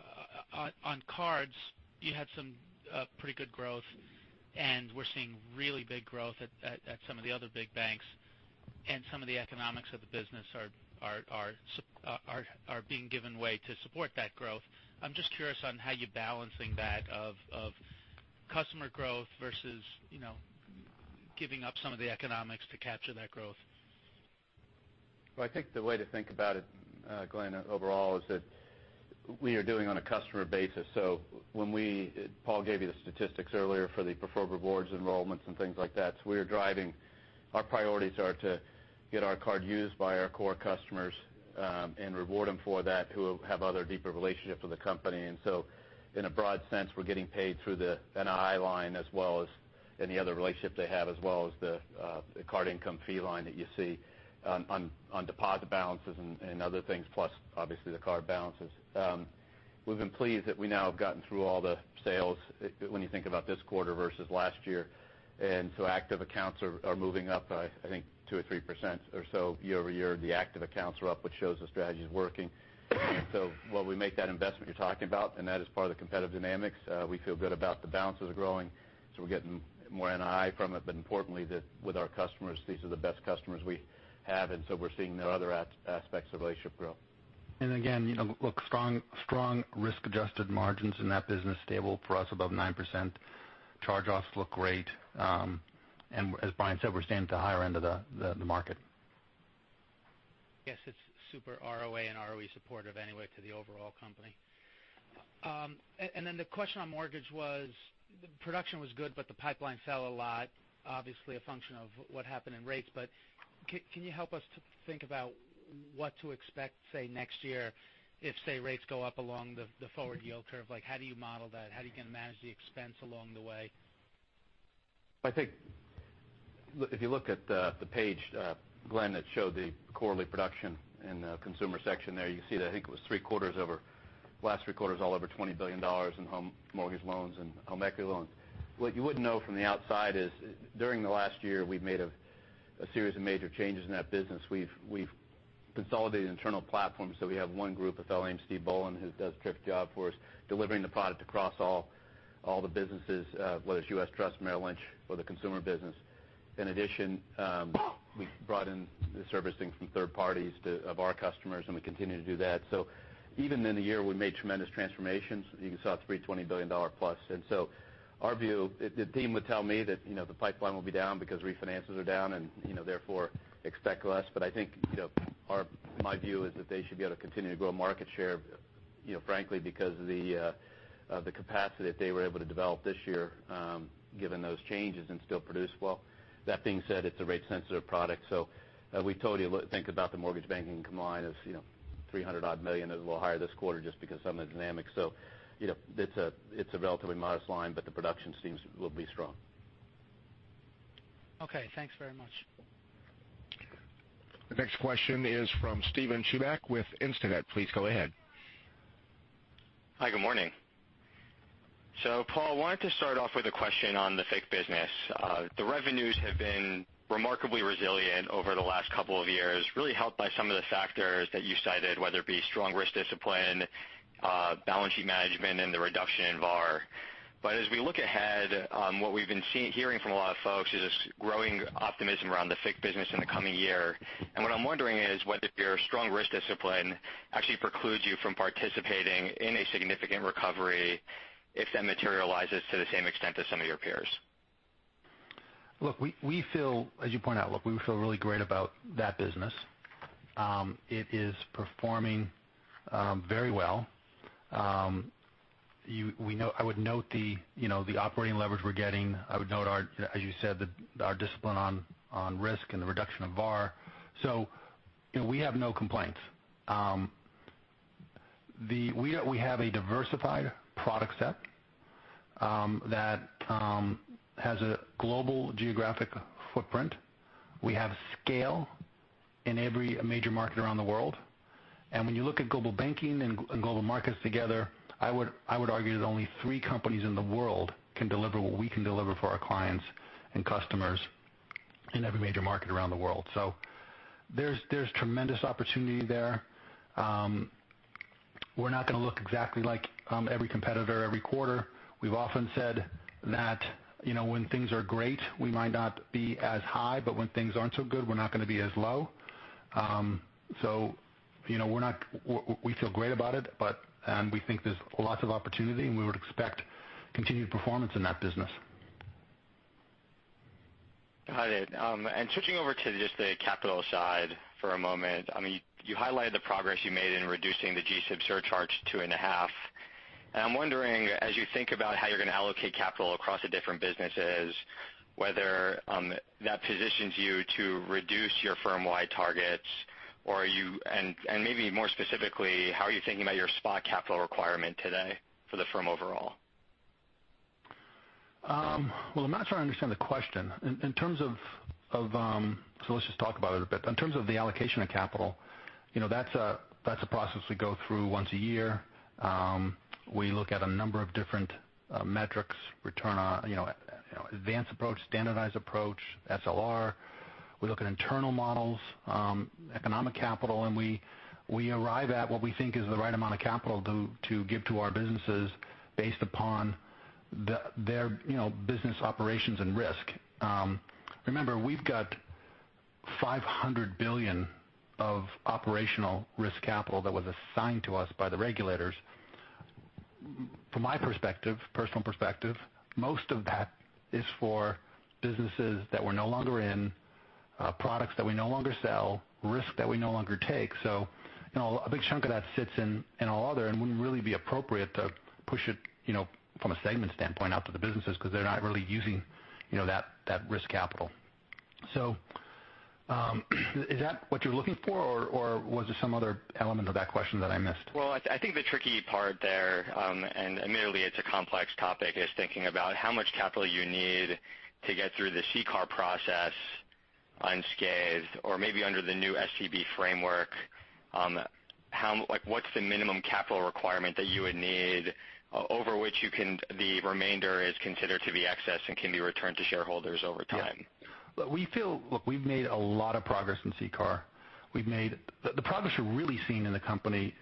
On cards, you had some pretty good growth. We're seeing really big growth at some of the other big banks. Some of the economics of the business are being given way to support that growth. I'm just curious on how you're balancing that, of customer growth versus giving up some of the economics to capture that growth. Well, I think the way to think about it, Glenn, overall, is that we are doing on a customer basis. When Paul gave you the statistics earlier for the Preferred Rewards enrollments and things like that. We are driving. Our priorities are to get our card used by our core customers, reward them for that, who have other deeper relationships with the company. In a broad sense, we're getting paid through the NII line as well as any other relationship they have as well as the card income fee line that you see on deposit balances and other things, plus obviously the card balances. We've been pleased that we now have gotten through all the sales, when you think about this quarter versus last year. Active accounts are moving up by, I think 2% or 3% or so year-over-year. The active accounts are up, which shows the strategy is working. While we make that investment you're talking about, and that is part of the competitive dynamics, we feel good about the balances growing, so we're getting more NII from it, importantly, that with our customers, these are the best customers we have, and so we're seeing the other aspects of the relationship grow. Again, look, strong risk-adjusted margins in that business, stable for us above 9%. Charge-offs look great. As Brian said, we're staying at the higher end of the market. Yes, it's super ROA and ROE supportive anyway to the overall company. Then the question on mortgage was, production was good but the pipeline fell a lot, obviously a function of what happened in rates. Can you help us to think about what to expect, say, next year if, say, rates go up along the forward yield curve? How do you model that? How are you going to manage the expense along the way? I think if you look at the page, Glenn, that showed the quarterly production in the consumer section there, you see that I think it was last three quarters all over $20 billion in home mortgage loans and home equity loans. What you wouldn't know from the outside is during the last year, we've made a series of major changes in that business. We've consolidated internal platforms, so we have one group with a fellow named Steve Boland, who does a terrific job for us delivering the product across all the businesses, whether it's U.S. Trust, Merrill Lynch, or the Consumer Banking. In addition, we've brought in the servicing from third parties of our customers, and we continue to do that. Even in the year we made tremendous transformations, you can saw $320 billion plus. Our view, the team would tell me that the pipeline will be down because refinances are down and therefore expect less. I think my view is that they should be able to continue to grow market share, frankly because of the capacity that they were able to develop this year given those changes and still produce well. That being said, it's a rate-sensitive product. We told you, think about the mortgage banking combined as $300-odd million. It was a little higher this quarter just because of some of the dynamics. It's a relatively modest line, but the production seems will be strong. Okay. Thanks very much. The next question is from Steven Chubak with Instinet. Please go ahead. Hi, good morning. Paul, wanted to start off with a question on the FICC business. The revenues have been remarkably resilient over the last couple of years, really helped by some of the factors that you cited, whether it be strong risk discipline, balance sheet management, and the reduction in VaR. As we look ahead, what we've been hearing from a lot of folks is this growing optimism around the FICC business in the coming year. What I'm wondering is whether your strong risk discipline actually precludes you from participating in a significant recovery if that materializes to the same extent as some of your peers. As you point out, we feel really great about that business. It is performing very well. I would note the operating leverage we're getting. I would note, as you said, our discipline on risk and the reduction of VaR. We have no complaints. We have a diversified product set that has a global geographic footprint. We have scale in every major market around the world. When you look at Global Banking and Global Markets together, I would argue that only three companies in the world can deliver what we can deliver for our clients and customers in every major market around the world. There's tremendous opportunity there. We're not going to look exactly like every competitor every quarter. We've often said that when things are great, we might not be as high, but when things aren't so good, we're not going to be as low. We feel great about it, and we think there's lots of opportunity, and we would expect continued performance in that business. Got it. Switching over to just the capital side for a moment. You highlighted the progress you made in reducing the GSIB surcharge to two and a half. I'm wondering, as you think about how you're going to allocate capital across the different businesses, whether that positions you to reduce your firm-wide targets. Maybe more specifically, how are you thinking about your spot capital requirement today for the firm overall? I'm not sure I understand the question. Let's just talk about it a bit. In terms of the allocation of capital, that's a process we go through once a year. We look at a number of different metrics, advanced approach, standardized approach, SLR. We look at internal models, economic capital, and we arrive at what we think is the right amount of capital to give to our businesses based upon their business operations and risk. Remember, we've got $500 billion of operational risk capital that was assigned to us by the regulators. From my perspective, personal perspective, most of that is for businesses that we're no longer in, products that we no longer sell, risk that we no longer take. A big chunk of that sits in all other, and it wouldn't really be appropriate to push it, from a segment standpoint, out to the businesses because they're not really using that risk capital. Is that what you're looking for, or was there some other element of that question that I missed? I think the tricky part there, and admittedly it's a complex topic, is thinking about how much capital you need to get through the CCAR process unscathed or maybe under the new SCB framework. What's the minimum capital requirement that you would need over which the remainder is considered to be excess and can be returned to shareholders over time? Yeah. Look, we've made a lot of progress in CCAR. The progress you're really seeing in the company,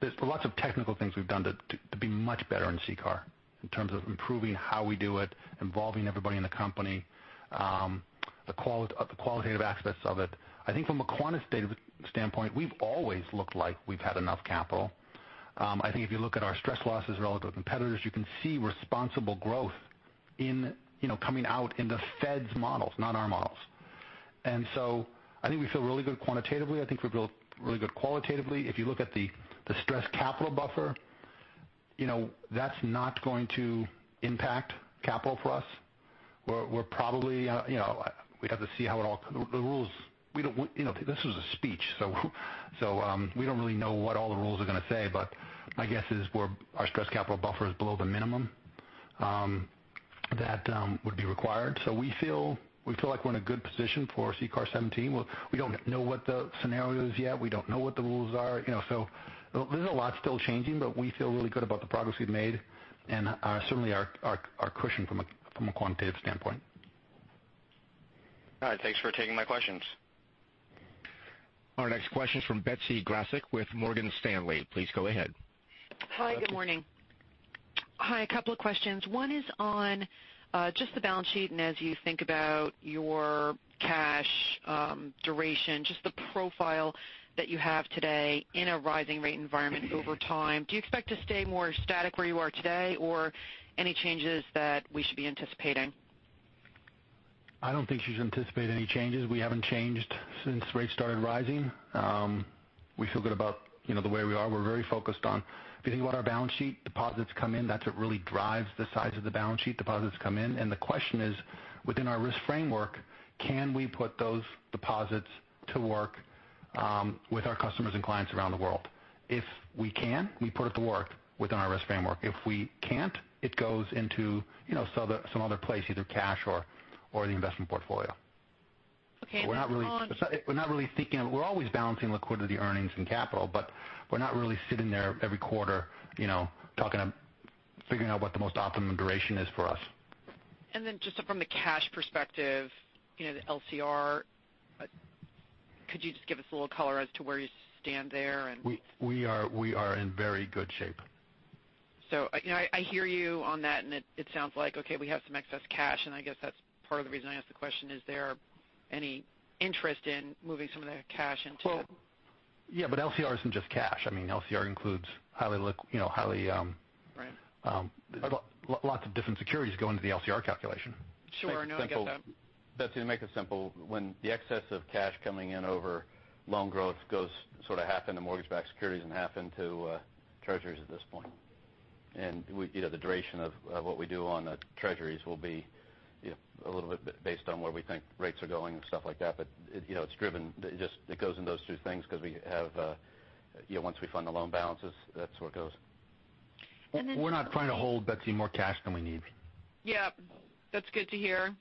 there's lots of technical things we've done to be much better in CCAR in terms of improving how we do it, involving everybody in the company, the qualitative aspects of it. I think from a quantitative standpoint, we've always looked like we've had enough capital. I think if you look at our stress losses relative to competitors, you can see responsible growth coming out in the Fed's models, not our models. I think we feel really good quantitatively. I think we feel really good qualitatively. If you look at the stress capital buffer, that's not going to impact capital for us. We'd have to see how it all. This was a speech, we don't really know what all the rules are going to say, but my guess is our stress capital buffer is below the minimum that would be required. We feel like we're in a good position for CCAR 17. We don't know what the scenario is yet. We don't know what the rules are. There's a lot still changing, but we feel really good about the progress we've made and certainly our cushion from a quantitative standpoint. All right. Thanks for taking my questions. Our next question is from Betsy Graseck with Morgan Stanley. Please go ahead. Hi. Good morning. Hi. A couple of questions. One is on just the balance sheet, and as you think about your cash duration, just the profile that you have today in a rising rate environment over time. Do you expect to stay more static where you are today, or any changes that we should be anticipating? I don't think you should anticipate any changes. We haven't changed since rates started rising. We feel good about the way we are. We're very focused on, if you think about our balance sheet, deposits come in. That's what really drives the size of the balance sheet. Deposits come in, the question is, within our risk framework, can we put those deposits to work with our customers and clients around the world? If we can, we put it to work within our risk framework. If we can't, it goes into some other place, either cash or the investment portfolio. Okay. Then on- We're always balancing liquidity, earnings, and capital, but we're not really sitting there every quarter, figuring out what the most optimum duration is for us. Then just from the cash perspective, the LCR, could you just give us a little color as to where you stand there and- We are in very good shape. I hear you on that, and it sounds like, okay, we have some excess cash, and I guess that's part of the reason I asked the question. Is there any interest in moving some of that cash into Well, yeah, LCR isn't just cash. LCR includes highly- Right lots of different securities go into the LCR calculation. Sure, no, I get that. Betsy, to make it simple, when the excess of cash coming in over loan growth goes sort of half into mortgage-backed securities and half into treasuries at this point. The duration of what we do on the treasuries will be a little bit based on where we think rates are going and stuff like that. It goes into those two things because we have, once we fund the loan balances, that's where it goes. And then- We're not trying to hold, Betsy, more cash than we need. Yep. That's good to hear.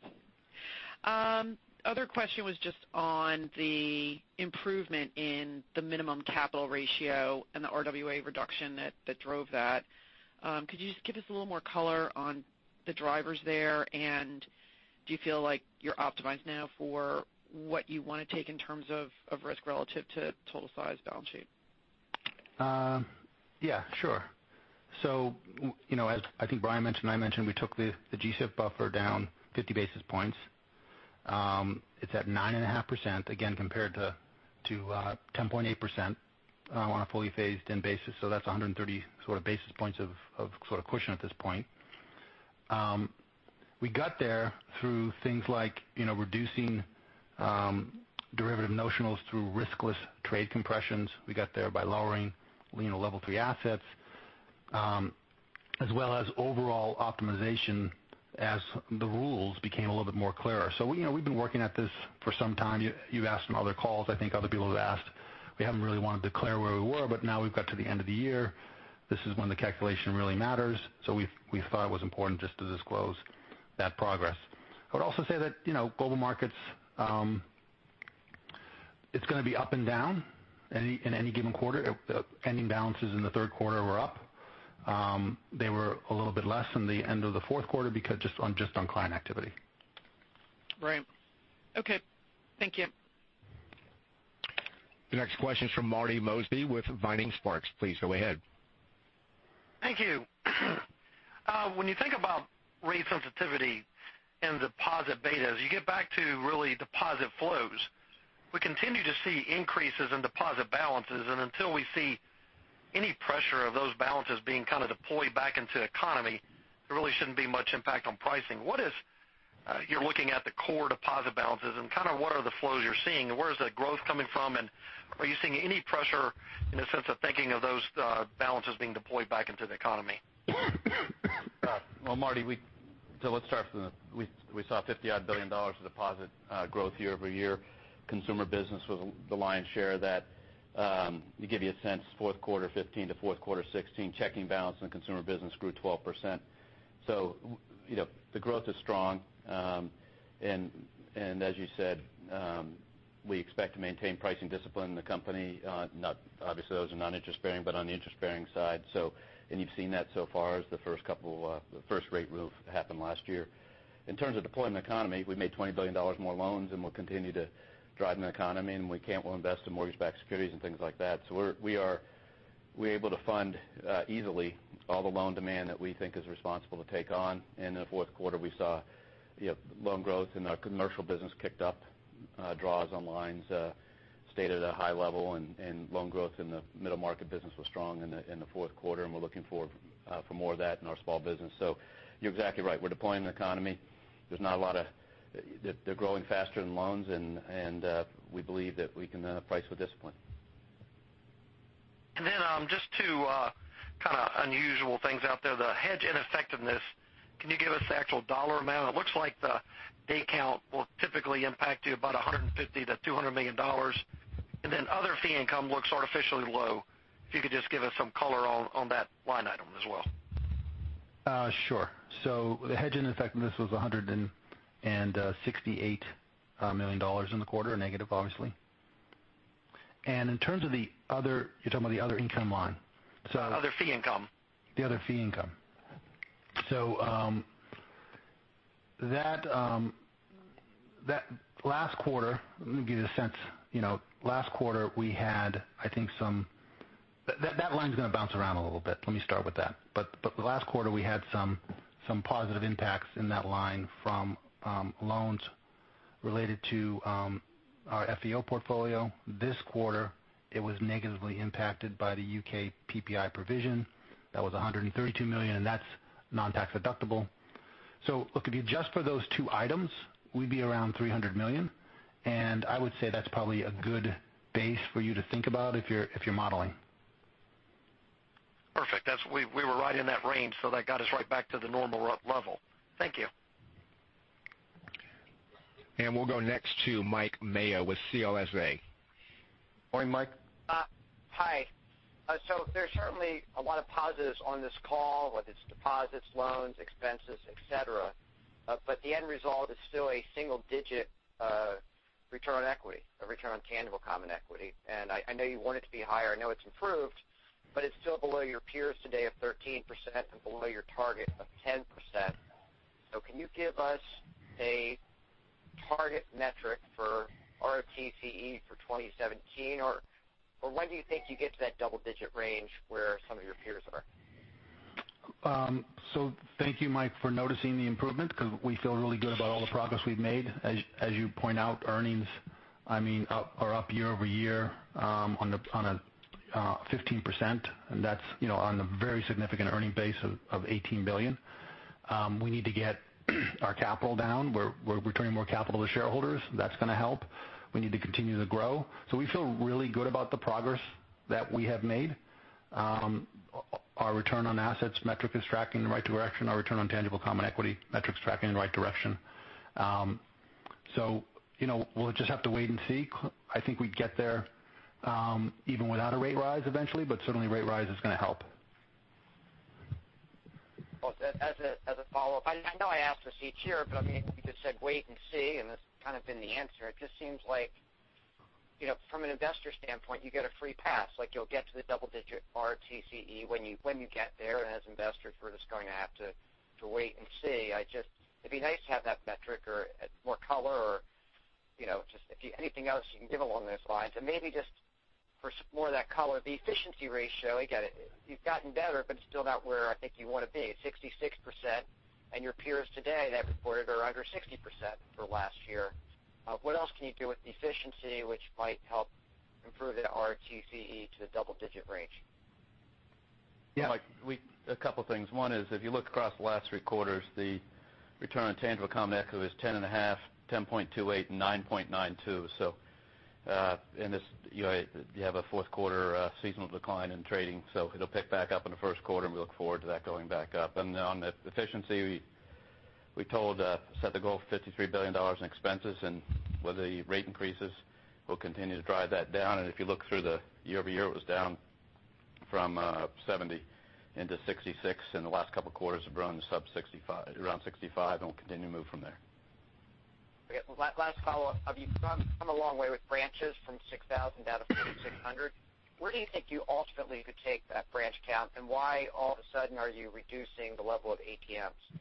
Other question was just on the improvement in the minimum capital ratio and the RWA reduction that drove that. Could you just give us a little more color on the drivers there? Do you feel like you're optimized now for what you want to take in terms of risk relative to total size balance sheet? Yeah, sure. As I think Brian mentioned, I mentioned we took the G-SIB buffer down 50 basis points. It's at 9.5%, again, compared to 10.8% on a fully phased-in basis. That's 130 sort of basis points of cushion at this point. We got there through things like reducing derivative notionals through riskless trade compressions. We got there by lowering level 3 assets as well as overall optimization as the rules became a little bit more clearer. We've been working at this for some time. You've asked on other calls, I think other people have asked. We haven't really wanted to declare where we were, but now we've got to the end of the year. This is when the calculation really matters. We thought it was important just to disclose that progress. I would also say that Global Markets, it's going to be up and down in any given quarter. Ending balances in the third quarter were up. They were a little bit less in the end of the fourth quarter because just on client activity. Right. Okay. Thank you. The next question is from Marty Mosby with Vining Sparks. Please go ahead. Thank you. Until we see any pressure of those balances being kind of deployed back into the economy, there really shouldn't be much impact on pricing. You're looking at the core deposit balances and kind of what are the flows you're seeing and where is the growth coming from, and are you seeing any pressure in the sense of thinking of those balances being deployed back into the economy? Well, Marty, we saw $50 odd billion of deposit growth year-over-year. Consumer Banking was the lion's share of that. To give you a sense, fourth quarter 2015 to fourth quarter 2016, checking balance and Consumer Banking grew 12%. The growth is strong. As you said, we expect to maintain pricing discipline in the company. Obviously those are non-interest bearing, but on the interest bearing side, and you've seen that so far as the first rate move happened last year. In terms of deploying the economy, we made $20 billion more loans, and we'll continue to drive an economy, and we can't well invest in mortgage-backed securities and things like that. We're able to fund easily all the loan demand that we think is responsible to take on. In the fourth quarter, we saw loan growth in our commercial business kicked up. Draws on lines stayed at a high level, and loan growth in the middle market business was strong in the fourth quarter, and we're looking for more of that in our small business. You're exactly right. We're deploying the economy. They're growing faster than loans, and we believe that we can price with discipline. Just two kind of unusual things out there, the hedge ineffectiveness. Can you give us the actual dollar amount? It looks like the day count will typically impact you about $150 million-$200 million. Other fee income looks artificially low. If you could just give us some color on that line item as well. Sure. The hedge ineffectiveness was $168 million in the quarter, negative obviously. In terms of the other, you're talking about the other income line? Other fee income. The other fee income. Last quarter, let me give you a sense. Last quarter we had, I think that line's going to bounce around a little bit. Let me start with that. Last quarter, we had some positive impacts in that line from loans related to our REO portfolio. This quarter, it was negatively impacted by the U.K. PPI provision. That was $132 million, and that's non-tax deductible. Look, if you adjust for those two items, we'd be around $300 million. I would say that's probably a good base for you to think about if you're modeling. Perfect. We were right in that range, that got us right back to the normal level. Thank you. We'll go next to Mike Mayo with CLSA. Morning, Mike. Hi. There's certainly a lot of positives on this call, whether it's deposits, loans, expenses, et cetera. The end result is still a single-digit return on tangible common equity. I know you want it to be higher. I know it's improved, it's still below your peers today of 13% and below your target of 10%. Can you give us a target metric for ROTCE for 2017, or when do you think you get to that double-digit range where some of your peers are? Thank you, Mike, for noticing the improvement because we feel really good about all the progress we've made. As you point out, earnings are up year-over-year on a 15%, that's on the very significant earning base of $18 billion. We need to get our capital down. We're returning more capital to shareholders. That's going to help. We need to continue to grow. We feel really good about the progress that we have made. Our return on assets metric is tracking in the right direction. Our return on tangible common equity metric's tracking in the right direction. We'll just have to wait and see. I think we'd get there even without a rate rise eventually, certainly rate rise is going to help. Well, as a follow-up, I know I ask this each year, you just said wait and see, and that's kind of been the answer. It just seems like from an investor standpoint, you get a free pass. Like you'll get to the double-digit ROTCE when you get there, and as investors, we're just going to have to wait and see. It'd be nice to have that metric or more color or just if you anything else you can give along those lines. Maybe just for some more of that color, the efficiency ratio, again, you've gotten better, but it's still not where I think you want to be. It's 66%, and your peers today that reported are under 60% for last year. What else can you do with efficiency which might help improve the ROTCE to the double-digit range? Yeah. Mike, a couple of things. One is if you look across the last three quarters, the return on tangible common equity was 10.5, 10.28, and 9.92. You have a fourth quarter seasonal decline in trading, so it'll pick back up in the first quarter, and we look forward to that going back up. On the efficiency, we set the goal of $53 billion in expenses, and with the rate increases, we'll continue to drive that down. If you look through the year-over-year, it was down from 70 into 66 in the last couple of quarters of running around 65, and we'll continue to move from there. Okay. Last follow-up. You've come a long way with branches from 6,000 down to 4,600. Where do you think you ultimately could take that branch count, and why all of a sudden are you reducing the level of ATMs?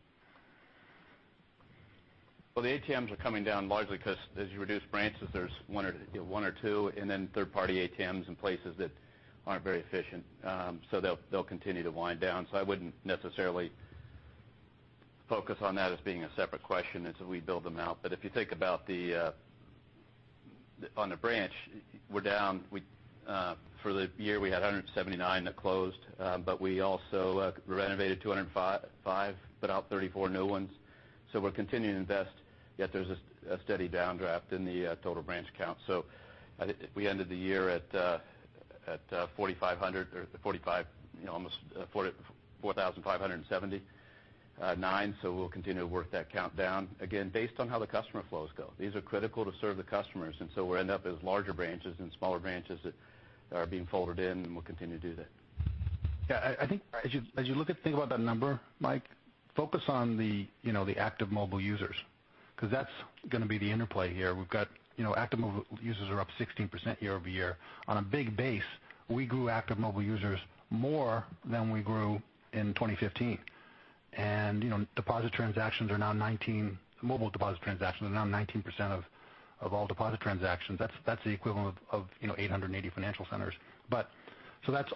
Well, the ATMs are coming down largely because as you reduce branches, there's one or two, and then third-party ATMs in places that aren't very efficient. They'll continue to wind down. I wouldn't necessarily focus on that as being a separate question as we build them out. If you think about on the branch, for the year, we had 179 that closed. We also renovated 205, put out 34 new ones. We're continuing to invest, yet there's a steady downdraft in the total branch count. I think we ended the year at almost 4,579. We'll continue to work that count down, again, based on how the customer flows go. These are critical to serve the customers, we'll end up as larger branches and smaller branches that are being folded in, and we'll continue to do that. Yeah, I think as you think about that number, Mike, focus on the active mobile users because that's going to be the interplay here. We've got active mobile users are up 16% year-over-year. On a big base, we grew active mobile users more than we grew in 2015. Mobile deposit transactions are now 19% of all deposit transactions. That's the equivalent of 880 financial centers.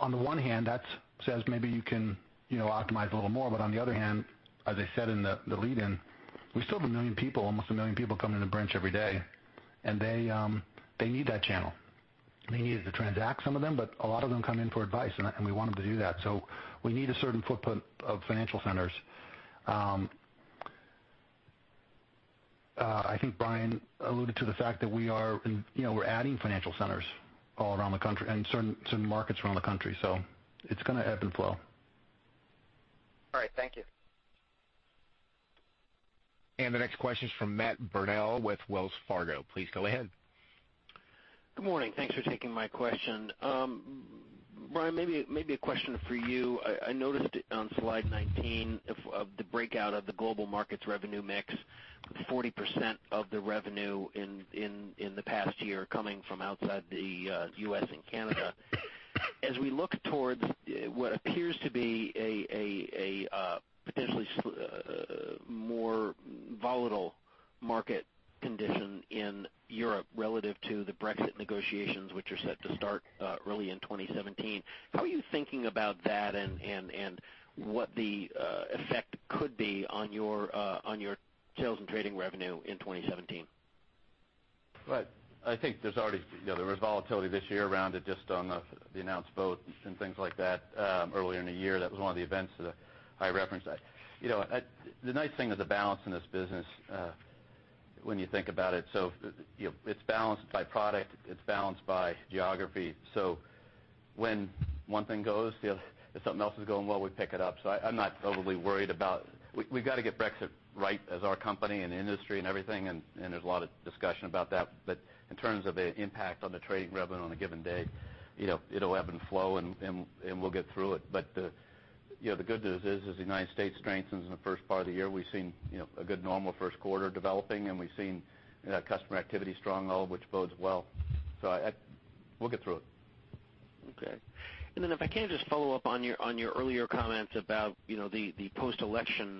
On the one hand, that says maybe you can optimize a little more. On the other hand, as I said in the lead-in, we still have almost 1 million people coming in the branch every day. They need that channel. They need it to transact, some of them, but a lot of them come in for advice, and we want them to do that. We need a certain footprint of financial centers. I think Brian alluded to the fact that we're adding financial centers all around the country and certain markets around the country. It's going to ebb and flow. All right. Thank you. The next question is from Matt Burnell with Wells Fargo. Please go ahead. Good morning. Thanks for taking my question. Brian, maybe a question for you. I noticed on slide 19 of the breakout of the Global Markets revenue mix, 40% of the revenue in the past year coming from outside the U.S. and Canada. As we look towards what appears to be a potentially more volatile market condition in Europe relative to the Brexit negotiations, which are set to start early in 2017, how are you thinking about that and what the effect could be on your sales and trading revenue in 2017? Right. I think there was volatility this year around it just on the announced vote and things like that earlier in the year. That was one of the events that I referenced. The nice thing is the balance in this business when you think about it. It's balanced by product, it's balanced by geography. When one thing goes, if something else is going well, we pick it up. I'm not overly worried about we've got to get Brexit right as our company and industry and everything, and there's a lot of discussion about that. In terms of the impact on the trading revenue on a given day, it'll ebb and flow, and we'll get through it. The good news is, as the United States strengthens in the first part of the year, we've seen a good normal first quarter developing, and we've seen customer activity strong all, which bodes well. We'll get through it. Okay. If I can just follow up on your earlier comments about the post-election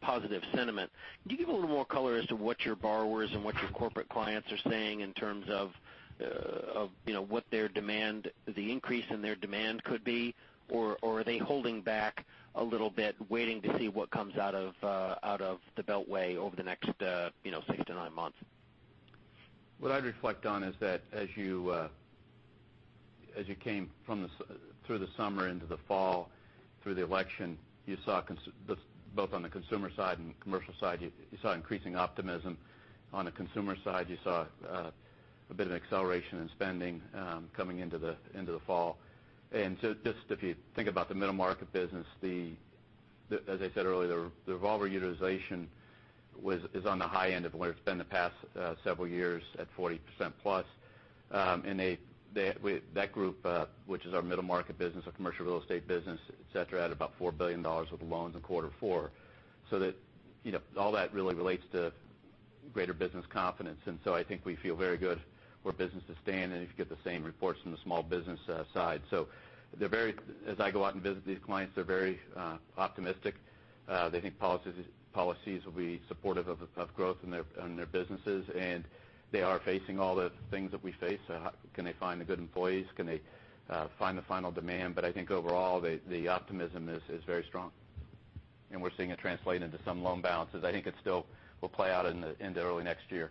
positive sentiment. Can you give a little more color as to what your borrowers and what your corporate clients are saying in terms of the increase in their demand could be? Are they holding back a little bit, waiting to see what comes out of the beltway over the next six to nine months? What I'd reflect on is that as you came through the summer into the fall, through the election, both on the consumer side and commercial side, you saw increasing optimism. On the consumer side, you saw a bit of an acceleration in spending coming into the fall. Just if you think about the middle market business, as I said earlier, the revolver utilization is on the high end of where it's been the past several years at 40%+. That group, which is our middle market business, our commercial real estate business, et cetera, had about $4 billion worth of loans in quarter four. That all that really relates to greater business confidence. I think we feel very good where business is standing if you get the same reports from the small business side. As I go out and visit these clients, they're very optimistic. They think policies will be supportive of growth in their businesses, and they are facing all the things that we face. Can they find the good employees? Can they find the final demand? I think overall, the optimism is very strong. We're seeing it translate into some loan balances. I think it still will play out into early next year.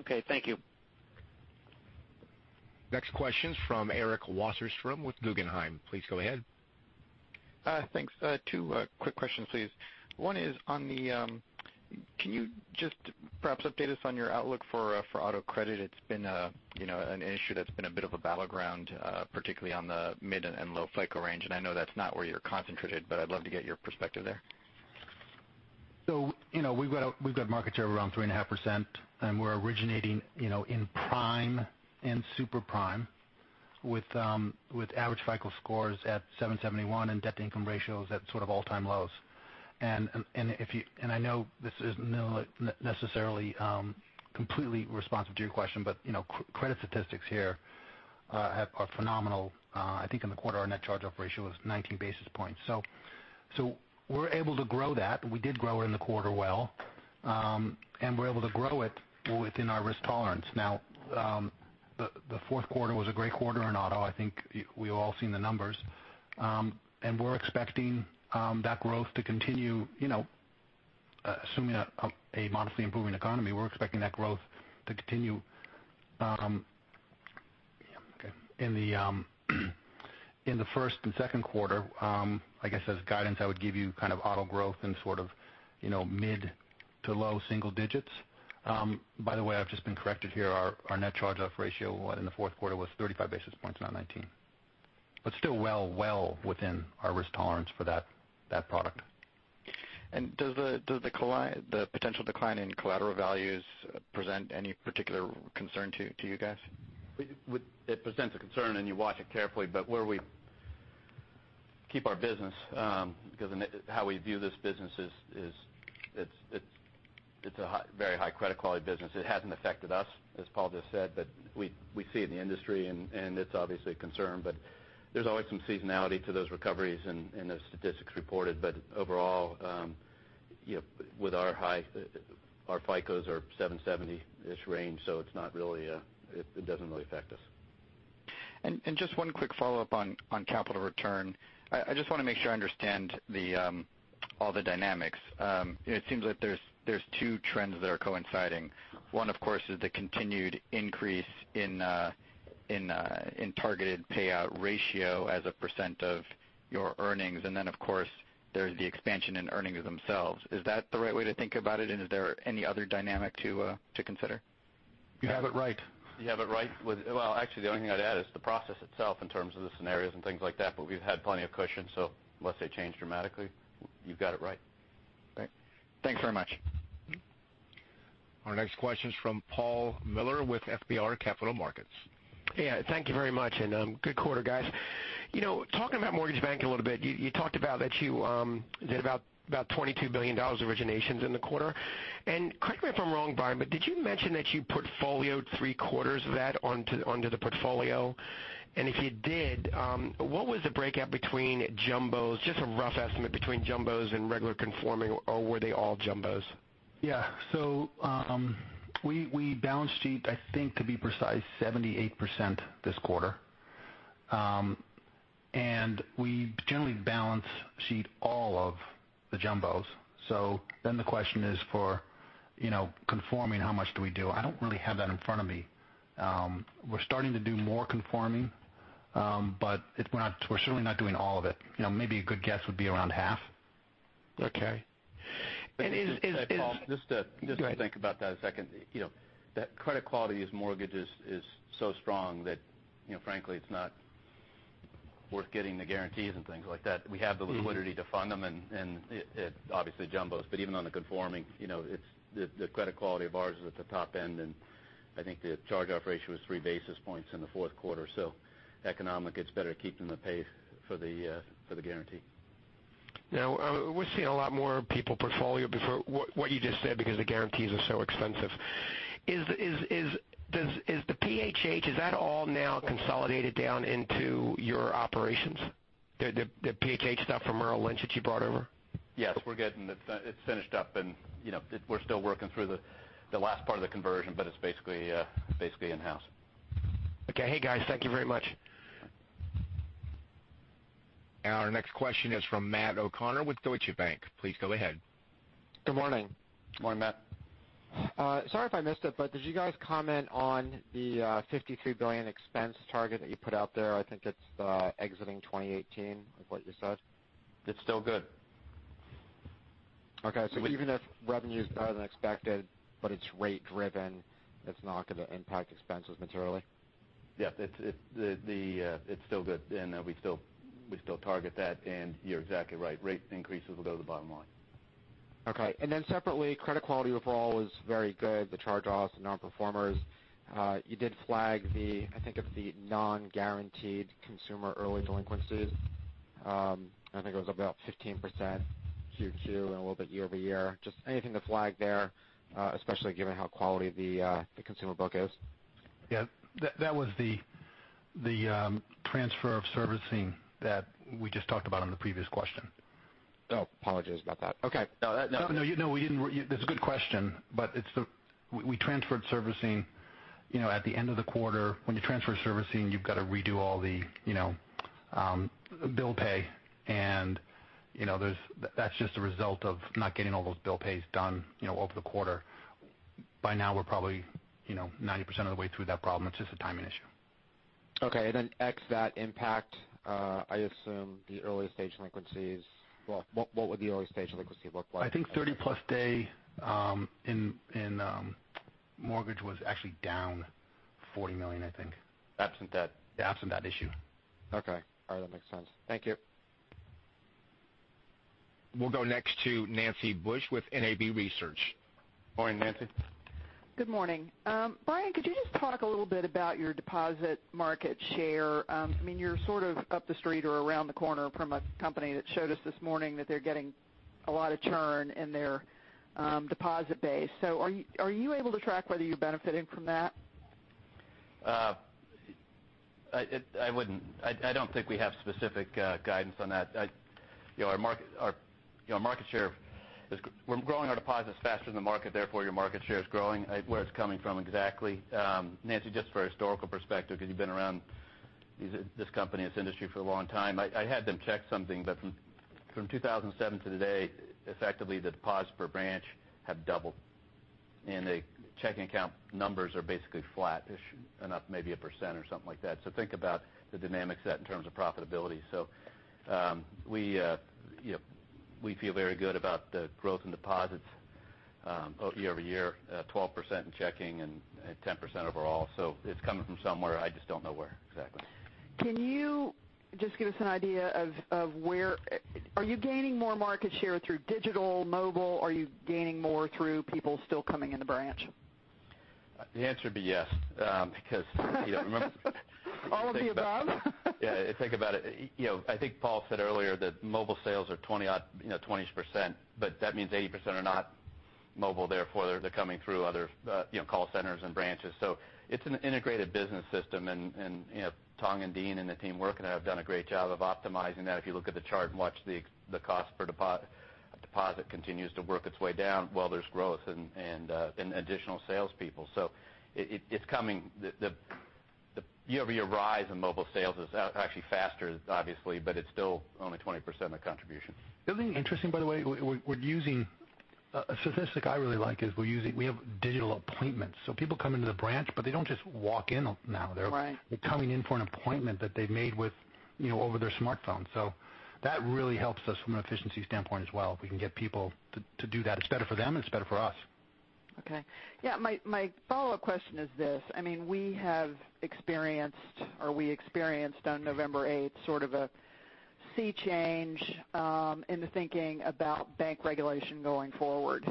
Okay. Thank you. Next question is from Eric Wasserstrom with Guggenheim. Please go ahead. Thanks. Two quick questions, please. One is can you just perhaps update us on your outlook for auto credit? It's been an issue that's been a bit of a battleground, particularly on the mid and low FICO range. I know that's not where you're concentrated, but I'd love to get your perspective there. We've got market share of around 3.5%, and we're originating in prime and super prime with average FICO scores at 771 and debt-to-income ratios at sort of all-time lows. I know this isn't necessarily completely responsive to your question, but credit statistics here are phenomenal. I think in the quarter, our net charge-off ratio was 19 basis points. We're able to grow that. We did grow it in the quarter well, and we're able to grow it within our risk tolerance. The fourth quarter was a great quarter in auto. I think we've all seen the numbers. We're expecting that growth to continue, assuming a modestly improving economy. We're expecting that growth to continue in the first and second quarter. I guess as guidance, I would give you kind of auto growth in sort of mid to low single digits. By the way, I've just been corrected here. Our net charge-off ratio in the fourth quarter was 35 basis points, not 19. Still well within our risk tolerance for that product. Does the potential decline in collateral values present any particular concern to you guys? It presents a concern, you watch it carefully. Where we keep our business because how we view this business is it's a very high credit quality business. It hasn't affected us, as Paul just said, but we see it in the industry, and it's obviously a concern. There's always some seasonality to those recoveries and those statistics reported. Overall, our FICOs are 770-ish range, it doesn't really affect us. Just one quick follow-up on capital return. I just want to make sure I understand all the dynamics. It seems like there's two trends that are coinciding. One, of course, is the continued increase in targeted payout ratio as a percent of your earnings. Then, of course, there's the expansion in earnings themselves. Is that the right way to think about it? Is there any other dynamic to consider? You have it right. You have it right. Well, actually, the only thing I'd add is the process itself in terms of the scenarios and things like that, but we've had plenty of cushion. Unless they change dramatically, you've got it right. Great. Thanks very much. Our next question is from Paul Miller with FBR Capital Markets. Yeah, thank you very much. Good quarter, guys. Talking about mortgage banking a little bit, you talked about that you did about $22 billion originations in the quarter. Correct me if I'm wrong, Brian, but did you mention that you portfolioed three quarters of that onto the portfolio? If you did, what was the breakout between jumbos? Just a rough estimate between jumbos and regular conforming, or were they all jumbos? Yeah. We balance sheet, I think to be precise, 78% this quarter. We generally balance sheet all of the jumbos. The question is for conforming, how much do we do? I don't really have that in front of me. We're starting to do more conforming, but we're certainly not doing all of it. Maybe a good guess would be around half. Okay. And just to- Go ahead think about that a second. That credit quality of mortgages is so strong that frankly, it's not worth getting the guarantees and things like that. We have the liquidity to fund them, and obviously jumbos, but even on the conforming, the credit quality of ours is at the top end, and I think the charge-off ratio is three basis points in the fourth quarter. Economic, it's better keeping the pace for the guarantee. We're seeing a lot more people portfolio before what you just said because the guarantees are so expensive. Is the PHH, is that all now consolidated down into your operations? The PHH stuff from Merrill Lynch that you brought over? We're good. It's finished up and we're still working through the last part of the conversion, but it's basically in-house. Hey, guys, thank you very much. Our next question is from Matt O'Connor with Deutsche Bank. Please go ahead. Good morning. Good morning, Matt. Sorry if I missed it, did you guys comment on the $53 billion expense target that you put out there? I think it's exiting 2018 is what you said. It's still good. Okay. Even if revenue's better than expected, but it's rate driven, that's not going to impact expenses materially? Yeah. It's still good, and we still target that, and you're exactly right. Rate increases will go to the bottom line. Okay. Separately, credit quality overall was very good. The charge-offs and non-performers. You did flag the, I think it's the non-guaranteed consumer early delinquencies. I think it was about 15% Q2 and a little bit year-over-year. Just anything to flag there, especially given how quality the consumer book is? Yeah. That was the transfer of servicing that we just talked about on the previous question. Apologies about that. Okay. No. No, we didn't. That's a good question. We transferred servicing at the end of the quarter. When you transfer servicing, you've got to redo all the bill pay, and that's just a result of not getting all those bill pays done over the quarter. By now, we're probably 90% of the way through that problem. It's just a timing issue. Okay, ex that impact, I assume the early-stage delinquencies. Well, what would the early-stage delinquency look like? I think 30-plus day in mortgage was actually down $40 million, I think. Absent that? Absent that issue. Okay. All right. That makes sense. Thank you. We'll go next to Nancy Bush with NAB Research. Morning, Nancy. Good morning. Brian, could you just talk a little bit about your deposit market share? You're sort of up the street or around the corner from a company that showed us this morning that they're getting a lot of churn in their deposit base. Are you able to track whether you're benefiting from that? I wouldn't. I don't think we have specific guidance on that. Our market share is we're growing our deposits faster than the market, therefore your market share is growing where it's coming from exactly. Nancy, just for a historical perspective because you've been around this company, this industry for a long time. I had them check something from 2007 to today, effectively the deposits per branch have doubled, and the checking account numbers are basically flat-ish, up maybe a percent or something like that. Think about the dynamics that in terms of profitability. We feel very good about the growth in deposits year-over-year, 12% in checking and 10% overall. It's coming from somewhere. I just don't know where exactly. Can you just give us an idea of where are you gaining more market share through digital, mobile? Are you gaining more through people still coming in the branch? The answer would be yes. Because remember. All of the above? Yeah. Think about it. I think Paul said earlier that mobile sales are 20%. That means 80% are not mobile, therefore they're coming through other call centers and branches. It's an integrated business system, and Thong and Dean and the team working have done a great job of optimizing that. If you look at the chart and watch the cost per deposit continues to work its way down while there's growth and additional salespeople. It's coming. The year-over-year rise in mobile sales is actually faster, obviously, but it's still only 20% of the contribution. The other thing interesting, by the way, a statistic I really like is we have digital appointments. People come into the branch, but they don't just walk in now. Right. They're coming in for an appointment that they've made over their smartphone. That really helps us from an efficiency standpoint as well. If we can get people to do that, it's better for them, and it's better for us. Okay. Yeah. My follow-up question is this: we have experienced or we experienced on November 8th sort of a sea change in the thinking about bank regulation going forward.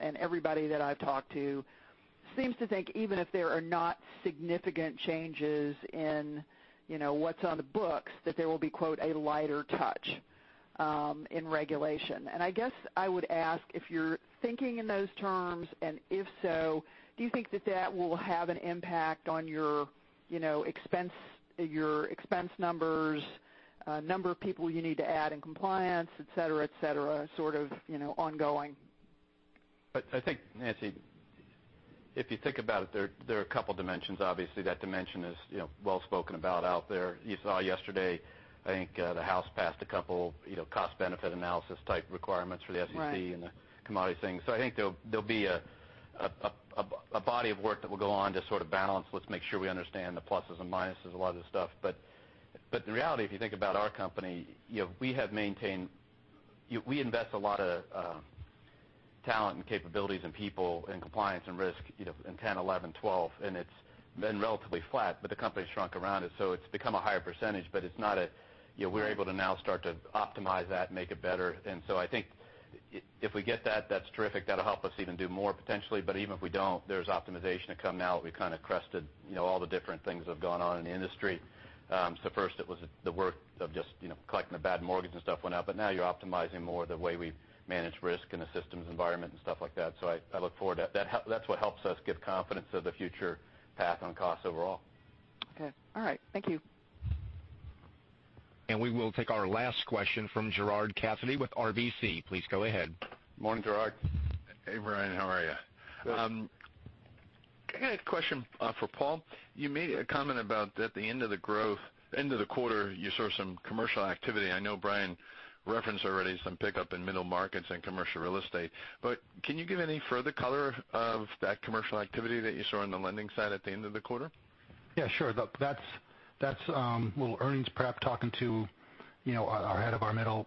Everybody that I've talked to seems to think even if there are not significant changes in what's on the books, that there will be, quote, "a lighter touch" in regulation. I guess I would ask if you're thinking in those terms, and if so, do you think that that will have an impact on your expense numbers, number of people you need to add in compliance, et cetera, sort of ongoing? I think, Nancy, if you think about it, there are a couple dimensions. Obviously, that dimension is well-spoken about out there. You saw yesterday, I think, the House passed a couple cost-benefit analysis type requirements for the SEC. Right The commodity thing. I think there'll be a body of work that will go on to sort of balance, let's make sure we understand the pluses and minuses of a lot of this stuff. In reality, if you think about our company, we invest a lot of talent and capabilities and people in compliance and risk in 2010, 2011, 2012, it's been relatively flat, the company shrunk around it's become a higher percentage. We're able to now start to optimize that and make it better. I think if we get that's terrific. That'll help us even do more, potentially. Even if we don't, there's optimization to come now that we've kind of crested all the different things that have gone on in the industry. First it was the work of just collecting the bad mortgage and stuff went out. Now you're optimizing more the way we manage risk in a systems environment and stuff like that. I look forward to that. That's what helps us give confidence to the future path on costs overall. Okay. All right. Thank you. We will take our last question from Gerard Cassidy with RBC. Please go ahead. Morning, Gerard. Hey, Brian. How are you? Good. Can I get a question for Paul? You made a comment about that at the end of the quarter, you saw some commercial activity. I know Brian referenced already some pickup in middle markets and commercial real estate. Can you give any further color of that commercial activity that you saw on the lending side at the end of the quarter? Yeah, sure. That's a little earnings prep talking to our head of our middle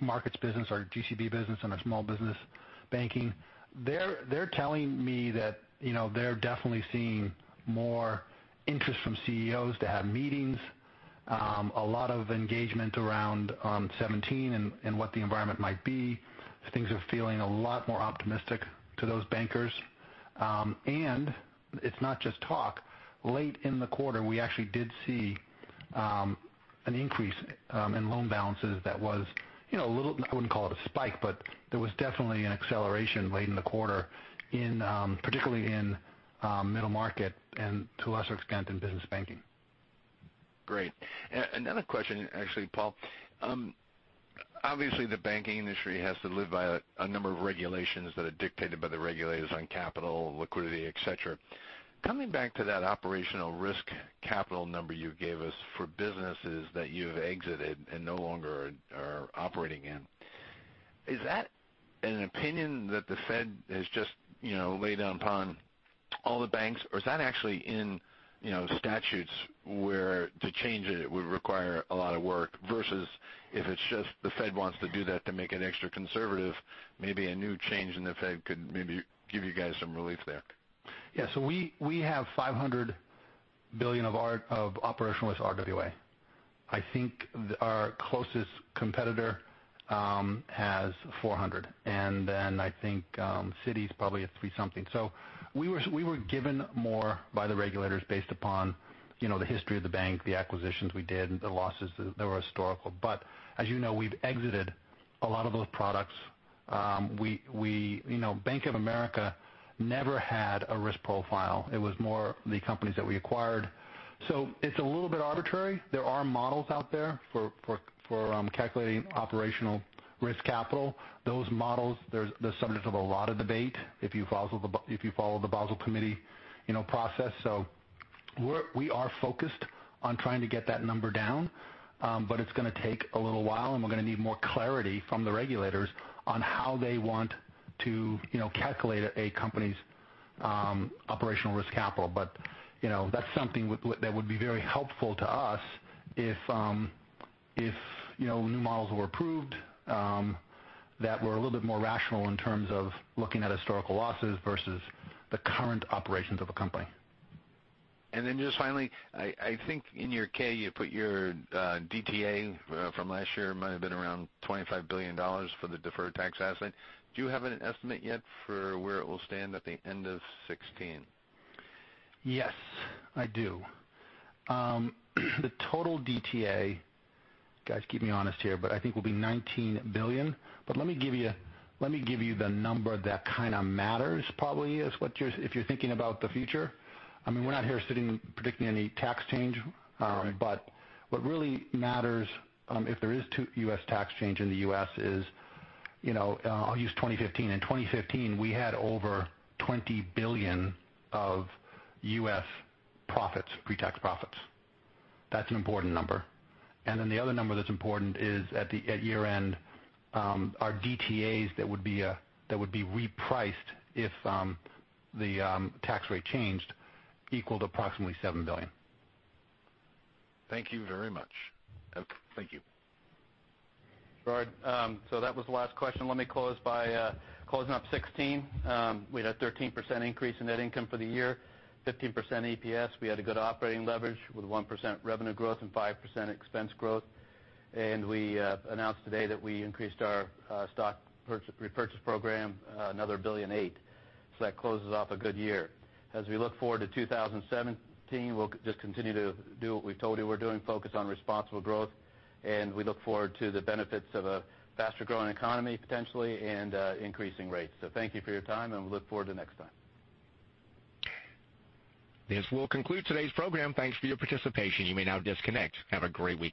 markets business, our GCB business, and our small business banking. They're telling me that they're definitely seeing more interest from CEOs to have meetings. A lot of engagement around 2017 and what the environment might be. Things are feeling a lot more optimistic to those bankers. It's not just talk. Late in the quarter, we actually did see an increase in loan balances that was a little, I wouldn't call it a spike, but there was definitely an acceleration late in the quarter, particularly in middle market and to a lesser extent, in business banking. Great. Another question, actually, Paul. Obviously, the banking industry has to live by a number of regulations that are dictated by the regulators on capital, liquidity, et cetera. Coming back to that operational risk capital number you gave us for businesses that you've exited and no longer are operating in, is that an opinion that the Fed has just laid down upon all the banks, or is that actually in statutes where to change it would require a lot of work, versus if it's just the Fed wants to do that to make it extra conservative, maybe a new change in the Fed could maybe give you guys some relief there? We have $500 billion of operational RWA. I think our closest competitor has $400 billion, and then I think Citi's probably at three something. We were given more by the regulators based upon the history of the bank, the acquisitions we did, and the losses that were historical. As you know, we've exited a lot of those products. Bank of America never had a risk profile. It was more the companies that we acquired. It's a little bit arbitrary. There are models out there for calculating operational risk capital. Those models, they're subjects of a lot of debate, if you follow the Basel Committee process. We are focused on trying to get that number down. It's going to take a little while, and we're going to need more clarity from the regulators on how they want to calculate a company's operational risk capital. That's something that would be very helpful to us if new models were approved that were a little bit more rational in terms of looking at historical losses versus the current operations of a company. Just finally, I think in your K, you put your DTA from last year, it might have been around $25 billion for the deferred tax asset. Do you have an estimate yet for where it will stand at the end of 2016? Yes, I do. The total DTA, guys keep me honest here, but I think will be $19 billion. Let me give you the number that kind of matters probably if you're thinking about the future. I mean, we're not here predicting any tax change. Right. What really matters if there is U.S. tax change in the U.S. is, I'll use 2015. In 2015, we had over $20 billion of U.S. pretax profits. That's an important number. The other number that's important is at year-end, our DTAs that would be repriced if the tax rate changed equaled approximately $7 billion. Thank you very much. Okay. Thank you. Gerard. That was the last question. Let me close by closing up 2016. We had a 13% increase in net income for the year, 15% EPS. We had a good operating leverage with 1% revenue growth and 5% expense growth. We announced today that we increased our stock repurchase program another $1.8 billion. That closes off a good year. As we look forward to 2017, we'll just continue to do what we told you we're doing, focus on responsible growth, and we look forward to the benefits of a faster-growing economy potentially, and increasing rates. Thank you for your time, and we look forward to next time. This will conclude today's program. Thanks for your participation. You may now disconnect. Have a great week.